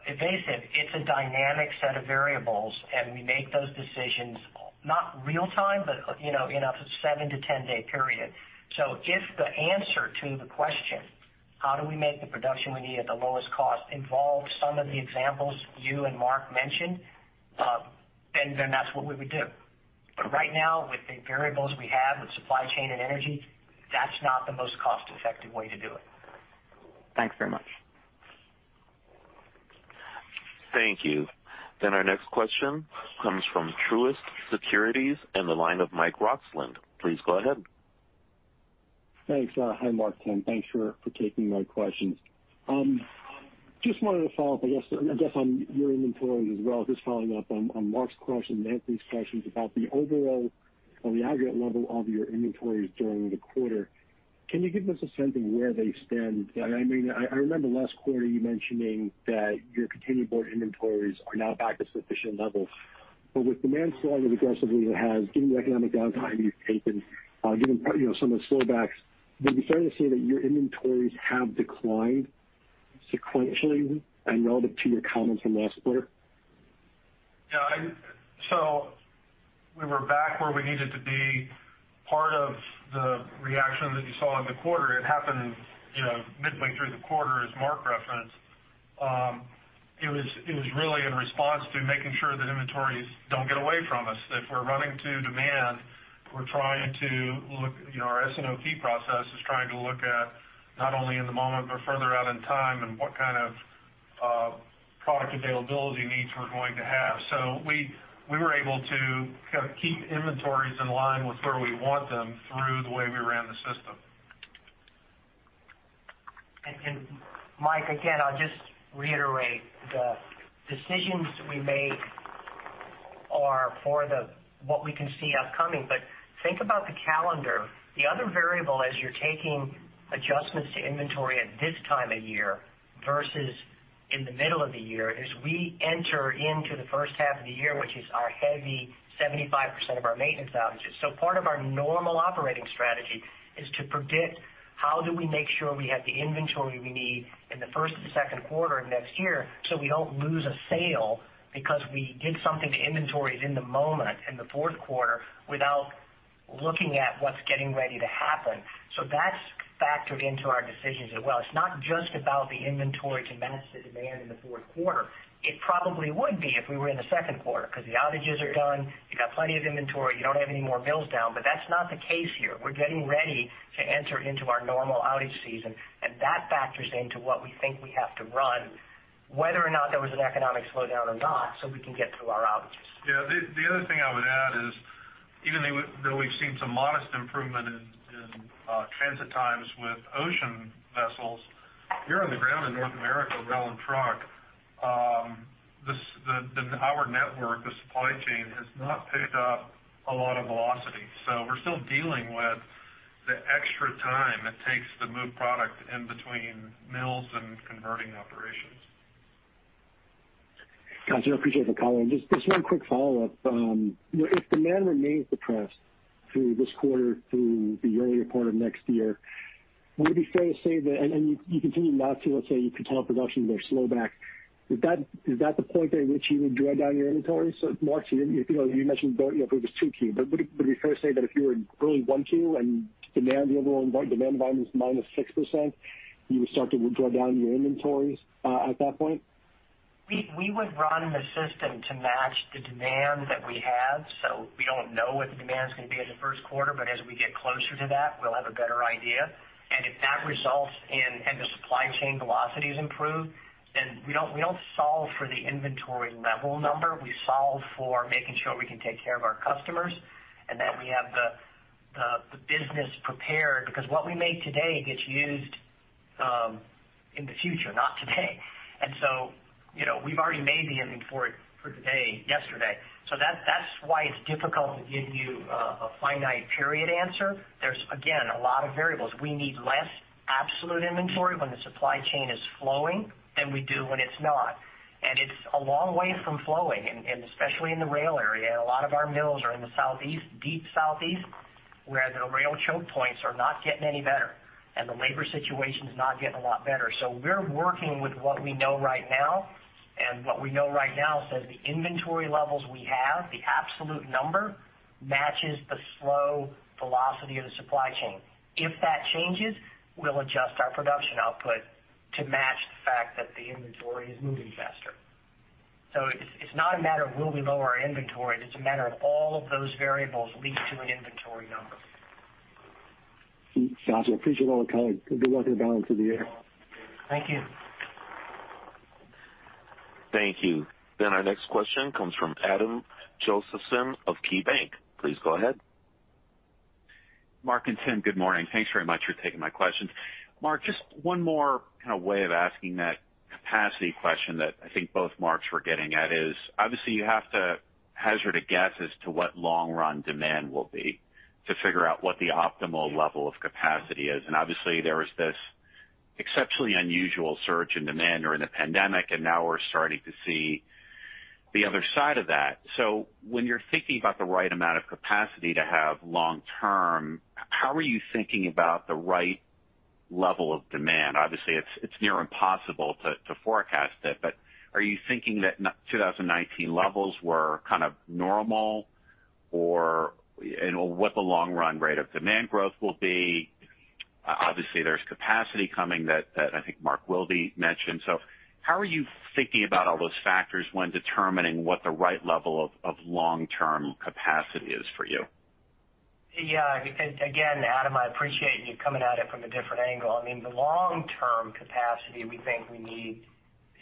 S3: evasive. It's a dynamic set of variables, and we make those decisions not in real time, but you know, in a 7-day-10-day period. If the answer to the question, how do we make the production we need at the lowest cost involves some of the examples you and Mark mentioned, then that's what we would do. Right now, with the variables we have with supply chain and energy, that's not the most cost-effective way to do it.
S8: Thanks very much.
S1: Thank you. Our next question comes from Truist Securities and the line of Mike Roxland. Please go ahead.
S9: Thanks. Hi, Mark, Tim. Thanks for taking my questions. Just wanted to follow up, I guess, on your inventories as well. Just following up on Mark's question and Anthony's questions about the overall or the aggregate level of your inventories during the quarter. Can you give us a sense of where they stand? I mean, I remember last quarter you mentioning that your containerboard inventories are now back at sufficient levels. But with demand slowing as aggressively as it has, given the economic downtime you've taken, given, you know, some of the slow backs, would it be fair to say that your inventories have declined sequentially and relative to your comments from last quarter?
S4: Yeah. We were back where we needed to be. Part of the reaction that you saw in the quarter, it happened, you know, midway through the quarter, as Mark referenced. It was really in response to making sure that inventories don't get away from us. If we're running to demand, we're trying to look, you know, our S&OP process is trying to look at not only in the moment but further out in time and what kind of product availability needs we're going to have. We were able to kind of keep inventories in line with where we want them through the way we ran the system.
S3: Mike, again, I'll just reiterate, the decisions we make are for what we can see upcoming. Think about the calendar. The other variable as you're taking adjustments to inventory at this time of year versus in the middle of the year, is we enter into the first half of the year, which is our heavy 75% of our maintenance outages. Part of our normal operating strategy is to predict how do we make sure we have the inventory we need in the first and second quarter of next year, so we don't lose a sale because we did something to inventories in the moment in the fourth quarter without looking at what's getting ready to happen. That's factored into our decisions as well. It's not just about the inventory to match the demand in the fourth quarter. It probably would be if we were in the second quarter because the outages are done, you got plenty of inventory, you don't have any more mills down, but that's not the case here. We're getting ready to enter into our normal outage season, and that factors into what we think we have to run, whether or not there was an economic slowdown or not, so we can get through our outages.
S4: Yeah. The other thing I would add is, even though we've seen some modest improvement in transit times with ocean vessels, here on the ground in North America, rail and truck, our network, the supply chain has not picked up a lot of velocity. We're still dealing with the extra time it takes to move product in between mills and converting operations.
S9: Got you. I appreciate the call. Just one quick follow-up. If demand remains depressed through this quarter through the earlier part of next year, would it be fair to say that you continue not to, let's say, you could tell production to slow back. Is that the point at which you would draw down your inventory? Mark, you know, you mentioned if it was 2Q, but would it be fair to say that if you were in early 1Q and year-over-year demand environment is 6%, you would start to draw down your inventories at that point?
S3: We would run the system to match the demand that we have. We don't know what the demand is gonna be in the first quarter, but as we get closer to that, we'll have a better idea. If that results in the supply chain velocities improve, then we don't solve for the inventory level number. We solve for making sure we can take care of our customers, and that we have the business prepared because what we make today gets used in the future, not today. You know, we've already made the inventory for today yesterday. That's why it's difficult to give you a finite period answer. There's again a lot of variables. We need less absolute inventory when the supply chain is flowing than we do when it's not. It's a long way from flowing, and especially in the rail area. A lot of our mills are in the Southeast, deep Southeast, where the rail choke points are not getting any better, and the labor situation is not getting a lot better. We're working with what we know right now, and what we know right now says the inventory levels we have, the absolute number, matches the slow velocity of the supply chain. If that changes, we'll adjust our production output to match the fact that the inventory is moving faster. It's not a matter of will we lower our inventory, it's a matter of all of those variables lead to an inventory number.
S9: Got you. Appreciate all the color. Good luck with the balance of the year.
S3: Thank you.
S1: Thank you. Our next question comes from Adam Josephson of KeyBanc. Please go ahead.
S10: Mark and Tim, good morning. Thanks very much for taking my questions. Mark, just one more kinda way of asking that capacity question that I think both Marks were getting at is, obviously, you have to hazard a guess as to what long-run demand will be to figure out what the optimal level of capacity is. Obviously, there was this exceptionally unusual surge in demand during the pandemic, and now we're starting to see the other side of that. When you're thinking about the right amount of capacity to have long term, how are you thinking about the right level of demand? Obviously, it's near impossible to forecast it, but are you thinking that 2019 levels were kind of normal? Or, and what the long run rate of demand growth will be? Obviously, there's capacity coming that I think Mark Wilde mentioned. How are you thinking about all those factors when determining what the right level of long-term capacity is for you?
S3: Yeah. Again, Adam, I appreciate you coming at it from a different angle. I mean, the long-term capacity we think we need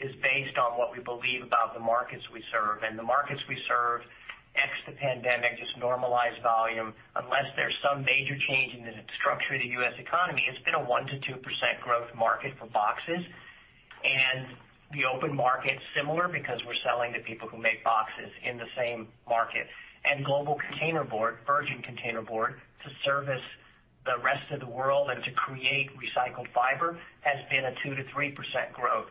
S3: is based on what we believe about the markets we serve. The markets we serve, ex the pandemic, just normalized volume. Unless there's some major change in the structure of the U.S. economy, it's been a 1%-2% growth market for boxes. The open market, similar because we're selling to people who make boxes in the same market. Global containerboard, virgin containerboard, to service the rest of the world and to create recycled fiber, has been a 2%-3% growth.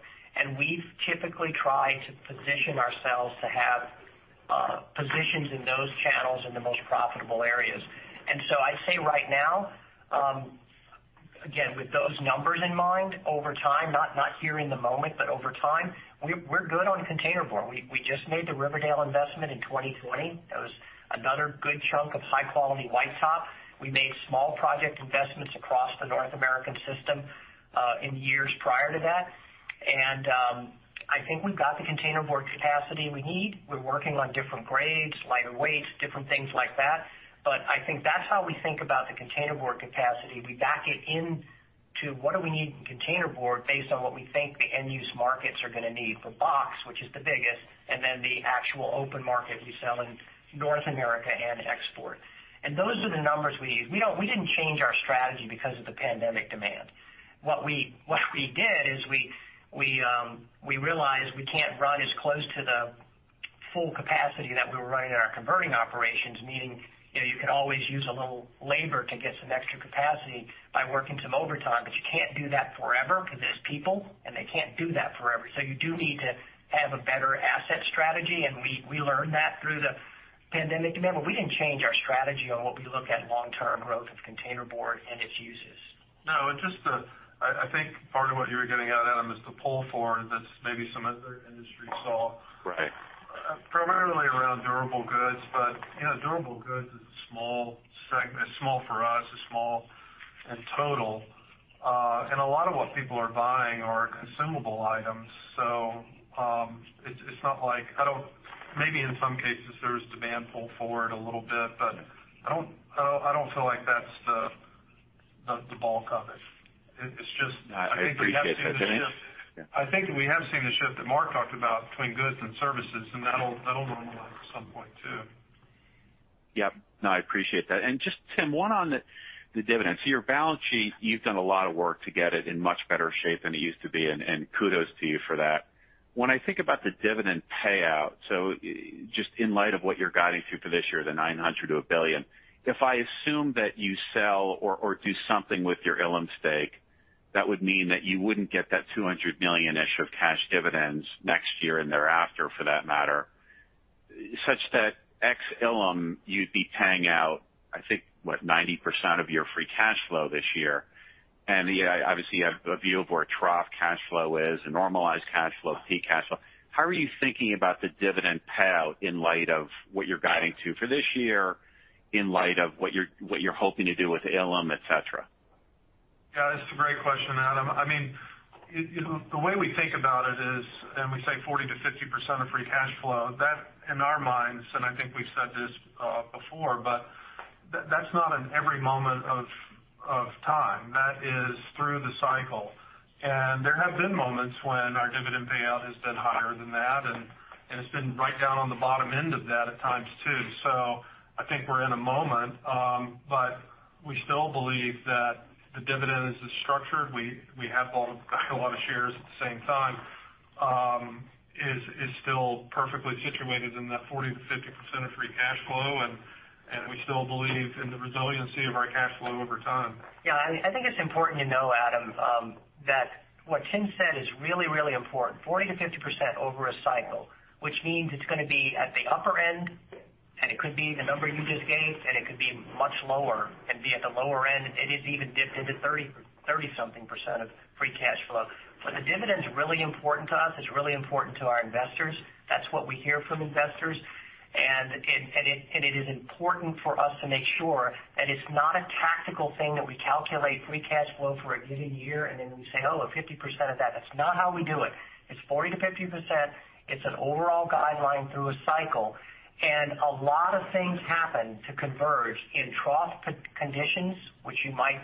S3: We've typically tried to position ourselves to have positions in those channels in the most profitable areas. I'd say right now, again, with those numbers in mind over time, not here in the moment, but over time, we're good on containerboard. We just made the Riverdale Investment in 2020. That was another good chunk of high-quality White Top. We made small project investments across the North American system in years prior to that. I think we've got the containerboard capacity we need. We're working on different grades, lighter weights, different things like that. But I think that's how we think about the containerboard capacity. We back it into what do we need in containerboard based on what we think the end-use markets are gonna need for box, which is the biggest, and then the actual open market we sell in North America and export. Those are the numbers we use. We didn't change our strategy because of the pandemic demand. What we did is we realized we can't run as close to the full capacity that we were running in our converting operations, meaning, you know, you could always use a little labor to get some extra capacity by working some overtime, but you can't do that forever because there's people, and they can't do that forever. You do need to have a better asset strategy, and we learned that through the pandemic demand. We didn't change our strategy on what we look at long-term growth of containerboard and its uses.
S4: No, it's just, I think part of what you were getting at, Adam, is the pull forward that's maybe some other industry saw.
S10: Right.
S4: Primarily around durable goods. You know, durable goods is small for us. It's small in total. And a lot of what people are buying are consumable items. It's not like maybe in some cases there's demand pull forward a little bit, but I don't feel like that's the bulk of it. It's just.
S10: No, I appreciate that.
S4: I think we have seen the shift. I think we have seen the shift that Mark talked about between goods and services, and that'll normalize at some point too.
S10: Yep. No, I appreciate that. Just Tim, one on the dividends. Your balance sheet, you've done a lot of work to get it in much better shape than it used to be, and kudos to you for that. When I think about the dividend payout, just in light of what you're guiding to for this year, the $900 million-$1 billion. If I assume that you sell or do something with your Ilim stake, that would mean that you wouldn't get that $200 million-ish of cash dividends next year and thereafter for that matter. Such that ex Ilim you'd be paying out, I think, what, 90% of your free cash flow this year. Obviously, you have a view of where trough cash flow is, a normalized cash flow, peak cash flow. How are you thinking about the dividend payout in light of what you're guiding to for this year in light of what you're hoping to do with Ilim, et cetera?
S4: Yeah. It's a great question, Adam. I mean, you know, the way we think about it is, and we say 40%-50% of free cash flow, that in our minds, and I think we've said this before, but that's not an every moment of time. That is through the cycle. There have been moments when our dividend payout has been higher than that, and it's been right down on the bottom end of that at times too. I think we're in a moment, but we still believe that the dividend is structured. We have bought a lot of shares at the same time, is still perfectly situated in that 40%-50% of free cash flow, and we still believe in the resiliency of our cash flow over time.
S3: Yeah. I think it's important to know, Adam, that what Tim said is really, really important, 40%-50% over a cycle, which means it's gonna be at the upper end, and it could be the number you just gave, and it could be much lower and be at the lower end. It has even dipped into 30%-something of free cash flow. The dividend's really important to us. It's really important to our investors. That's what we hear from investors. It is important for us to make sure that it's not a tactical thing that we calculate free cash flow for a given year, and then we say, "Oh, 50% of that." That's not how we do it. It's 40%-50%. It's an overall guideline through a cycle, and a lot of things happen to converge in trough conditions, which you might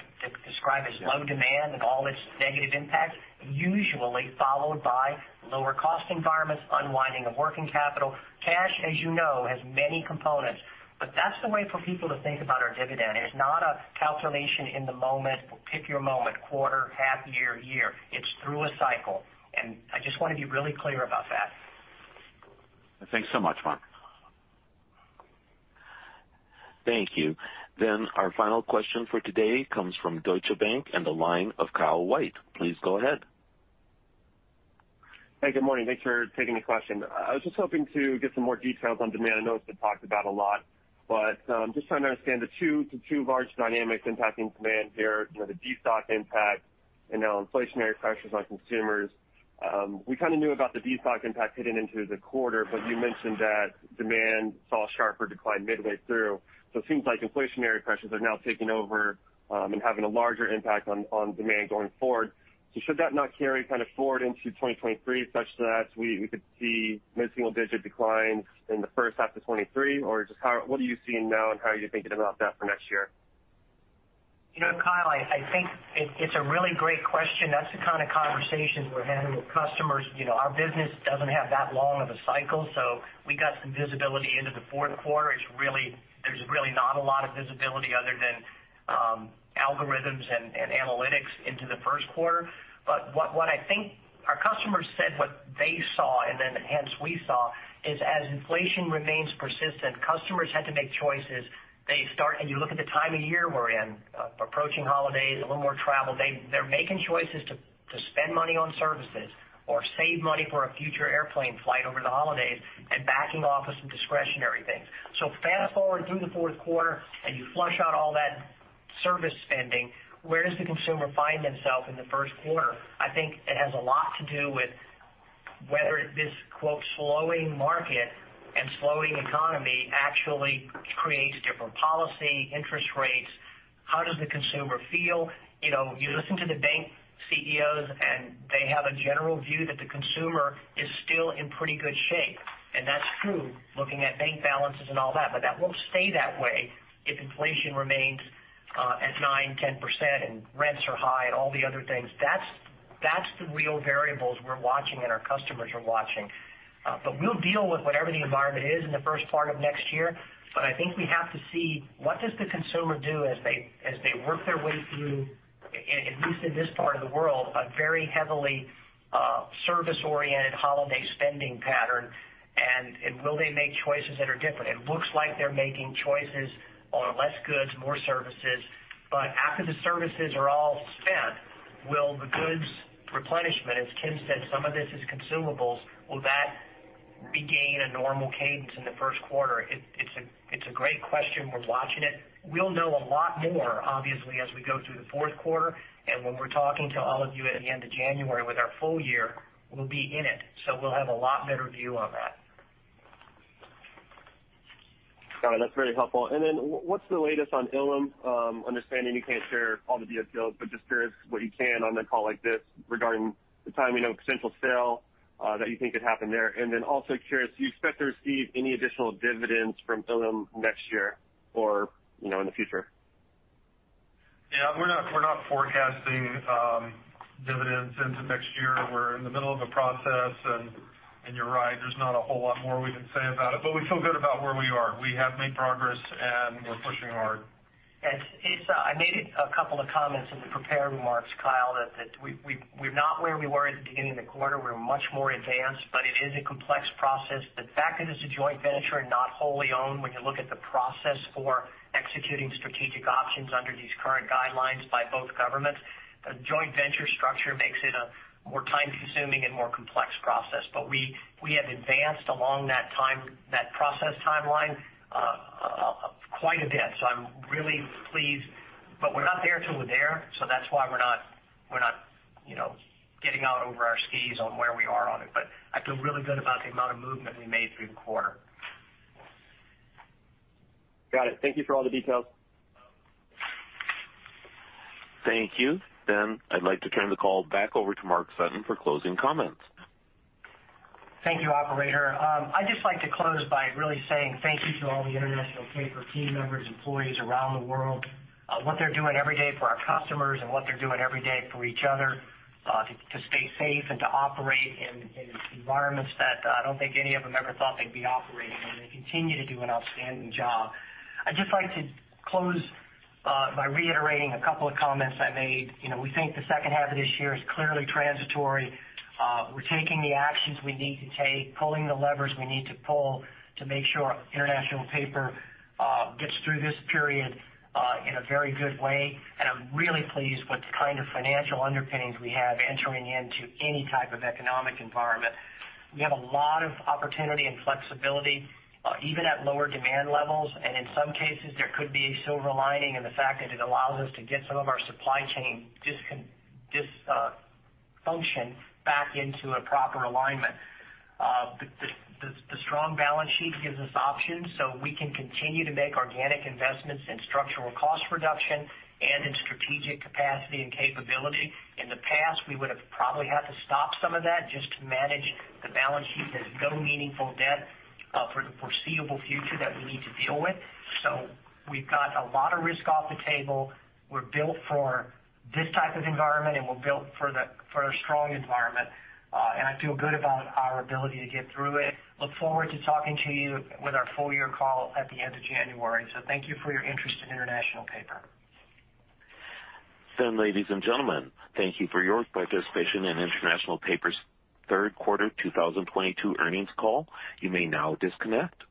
S3: describe as low demand and all its negative impacts, usually followed by lower cost environments, unwinding of working capital. Cash, as you know, has many components, but that's the way for people to think about our dividend. It is not a calculation in the moment. We'll pick your moment quarter, half year. It's through a cycle, and I just wanna be really clear about that.
S10: Thanks so much, Mark.
S1: Thank you. Our final question for today comes from Deutsche Bank and the line of Kyle White. Please go ahead.
S11: Hey, good morning. Thanks for taking the question. I was just hoping to get some more details on demand. I know it's been talked about a lot, but just trying to understand the two large dynamics impacting demand here. You know, the destock impact and now inflationary pressures on consumers. We kinda knew about the destock impact hitting into the quarter, but you mentioned that demand saw a sharper decline midway through. It seems like inflationary pressures are now taking over and having a larger impact on demand going forward. Should that not carry kind of forward into 2023 such that we could see mid-single-digit declines in the first half of 2023? What are you seeing now, and how are you thinking about that for next year?
S3: You know, Kyle, I think it's a really great question. That's the kind of conversations we're having with customers. You know, our business doesn't have that long of a cycle, so we got some visibility into the fourth quarter. There's really not a lot of visibility other than algorithms and analytics into the first quarter. But what I think our customers said what they saw and then hence we saw is as inflation remains persistent, customers had to make choices. You look at the time of year we're in, approaching holidays, a little more travel. They're making choices to spend money on services or save money for a future airplane flight over the holidays and backing off of some discretionary things. Fast-forward through the fourth quarter and you flush out all that service spending. Where does the consumer find themself in the first quarter? I think it has a lot to do with whether this, quote, "slowing market" and slowing economy actually creates different policy, interest rates. How does the consumer feel? You know, you listen to the bank CEOs, and they have a general view that the consumer is still in pretty good shape, and that's true, looking at bank balances and all that. That won't stay that way if inflation remains at 9%-10% and rents are high and all the other things. That's the real variables we're watching and our customers are watching. We'll deal with whatever the environment is in the first part of next year. I think we have to see what does the consumer do as they work their way through, at least in this part of the world, a very heavily service-oriented holiday spending pattern, and will they make choices that are different. It looks like they're making choices on less goods, more services. After the services are all spent, will the goods replenishment, as Tim said, some of this is consumables, will that regain a normal cadence in the first quarter. It's a great question. We're watching it. We'll know a lot more, obviously, as we go through the fourth quarter. When we're talking to all of you at the end of January with our full year, we'll be in it, so we'll have a lot better view on that.
S11: All right, that's very helpful. What's the latest on Ilim? Understanding you can't share all the details, but just curious what you can on a call like this regarding the timing of potential sale that you think could happen there. Also curious, do you expect to receive any additional dividends from Ilim next year or, you know, in the future?
S4: Yeah, we're not forecasting dividends into next year. We're in the middle of a process, and you're right, there's not a whole lot more we can say about it, but we feel good about where we are. We have made progress, and we're pushing hard.
S3: Yes, I made a couple of comments in the prepared remarks, Kyle, that we were not where we were at the beginning of the quarter. We're much more advanced, but it is a complex process. The fact that it's a joint venture and not wholly owned when you look at the process for executing strategic options under these current guidelines by both governments, the joint venture structure makes it a more time-consuming and more complex process. We have advanced along that process timeline quite a bit, so I'm really pleased. We're not there till we're there, so that's why we're not you know, getting out over our skis on where we are on it. I feel really good about the amount of movement we made through the quarter.
S11: Got it. Thank you for all the details.
S1: Thank you. I'd like to turn the call back over to Mark Sutton for closing comments.
S3: Thank you, operator. I'd just like to close by really saying thank you to all the International Paper team members, employees around the world, what they're doing every day for our customers and what they're doing every day for each other, to stay safe and to operate in environments that I don't think any of them ever thought they'd be operating in. They continue to do an outstanding job. I'd just like to close by reiterating a couple of comments I made. You know, we think the second half of this year is clearly transitory. We're taking the actions we need to take, pulling the levers we need to pull to make sure International Paper gets through this period in a very good way. I'm really pleased with the kind of financial underpinnings we have entering into any type of economic environment. We have a lot of opportunity and flexibility, even at lower demand levels, and in some cases, there could be a silver lining in the fact that it allows us to get some of our supply chain dysfunction back into a proper alignment. The strong balance sheet gives us options so we can continue to make organic investments in structural cost reduction and in strategic capacity and capability. In the past, we would have probably had to stop some of that just to manage the balance sheet. There's no meaningful debt for the foreseeable future that we need to deal with. We've got a lot of risk off the table. We're built for this type of environment, and we're built for a strong environment. I feel good about our ability to get through it. Look forward to talking to you with our full year call at the end of January. Thank you for your interest in International Paper.
S1: Ladies and gentlemen, thank you for your participation in International Paper's third quarter 2022 earnings call. You may now disconnect.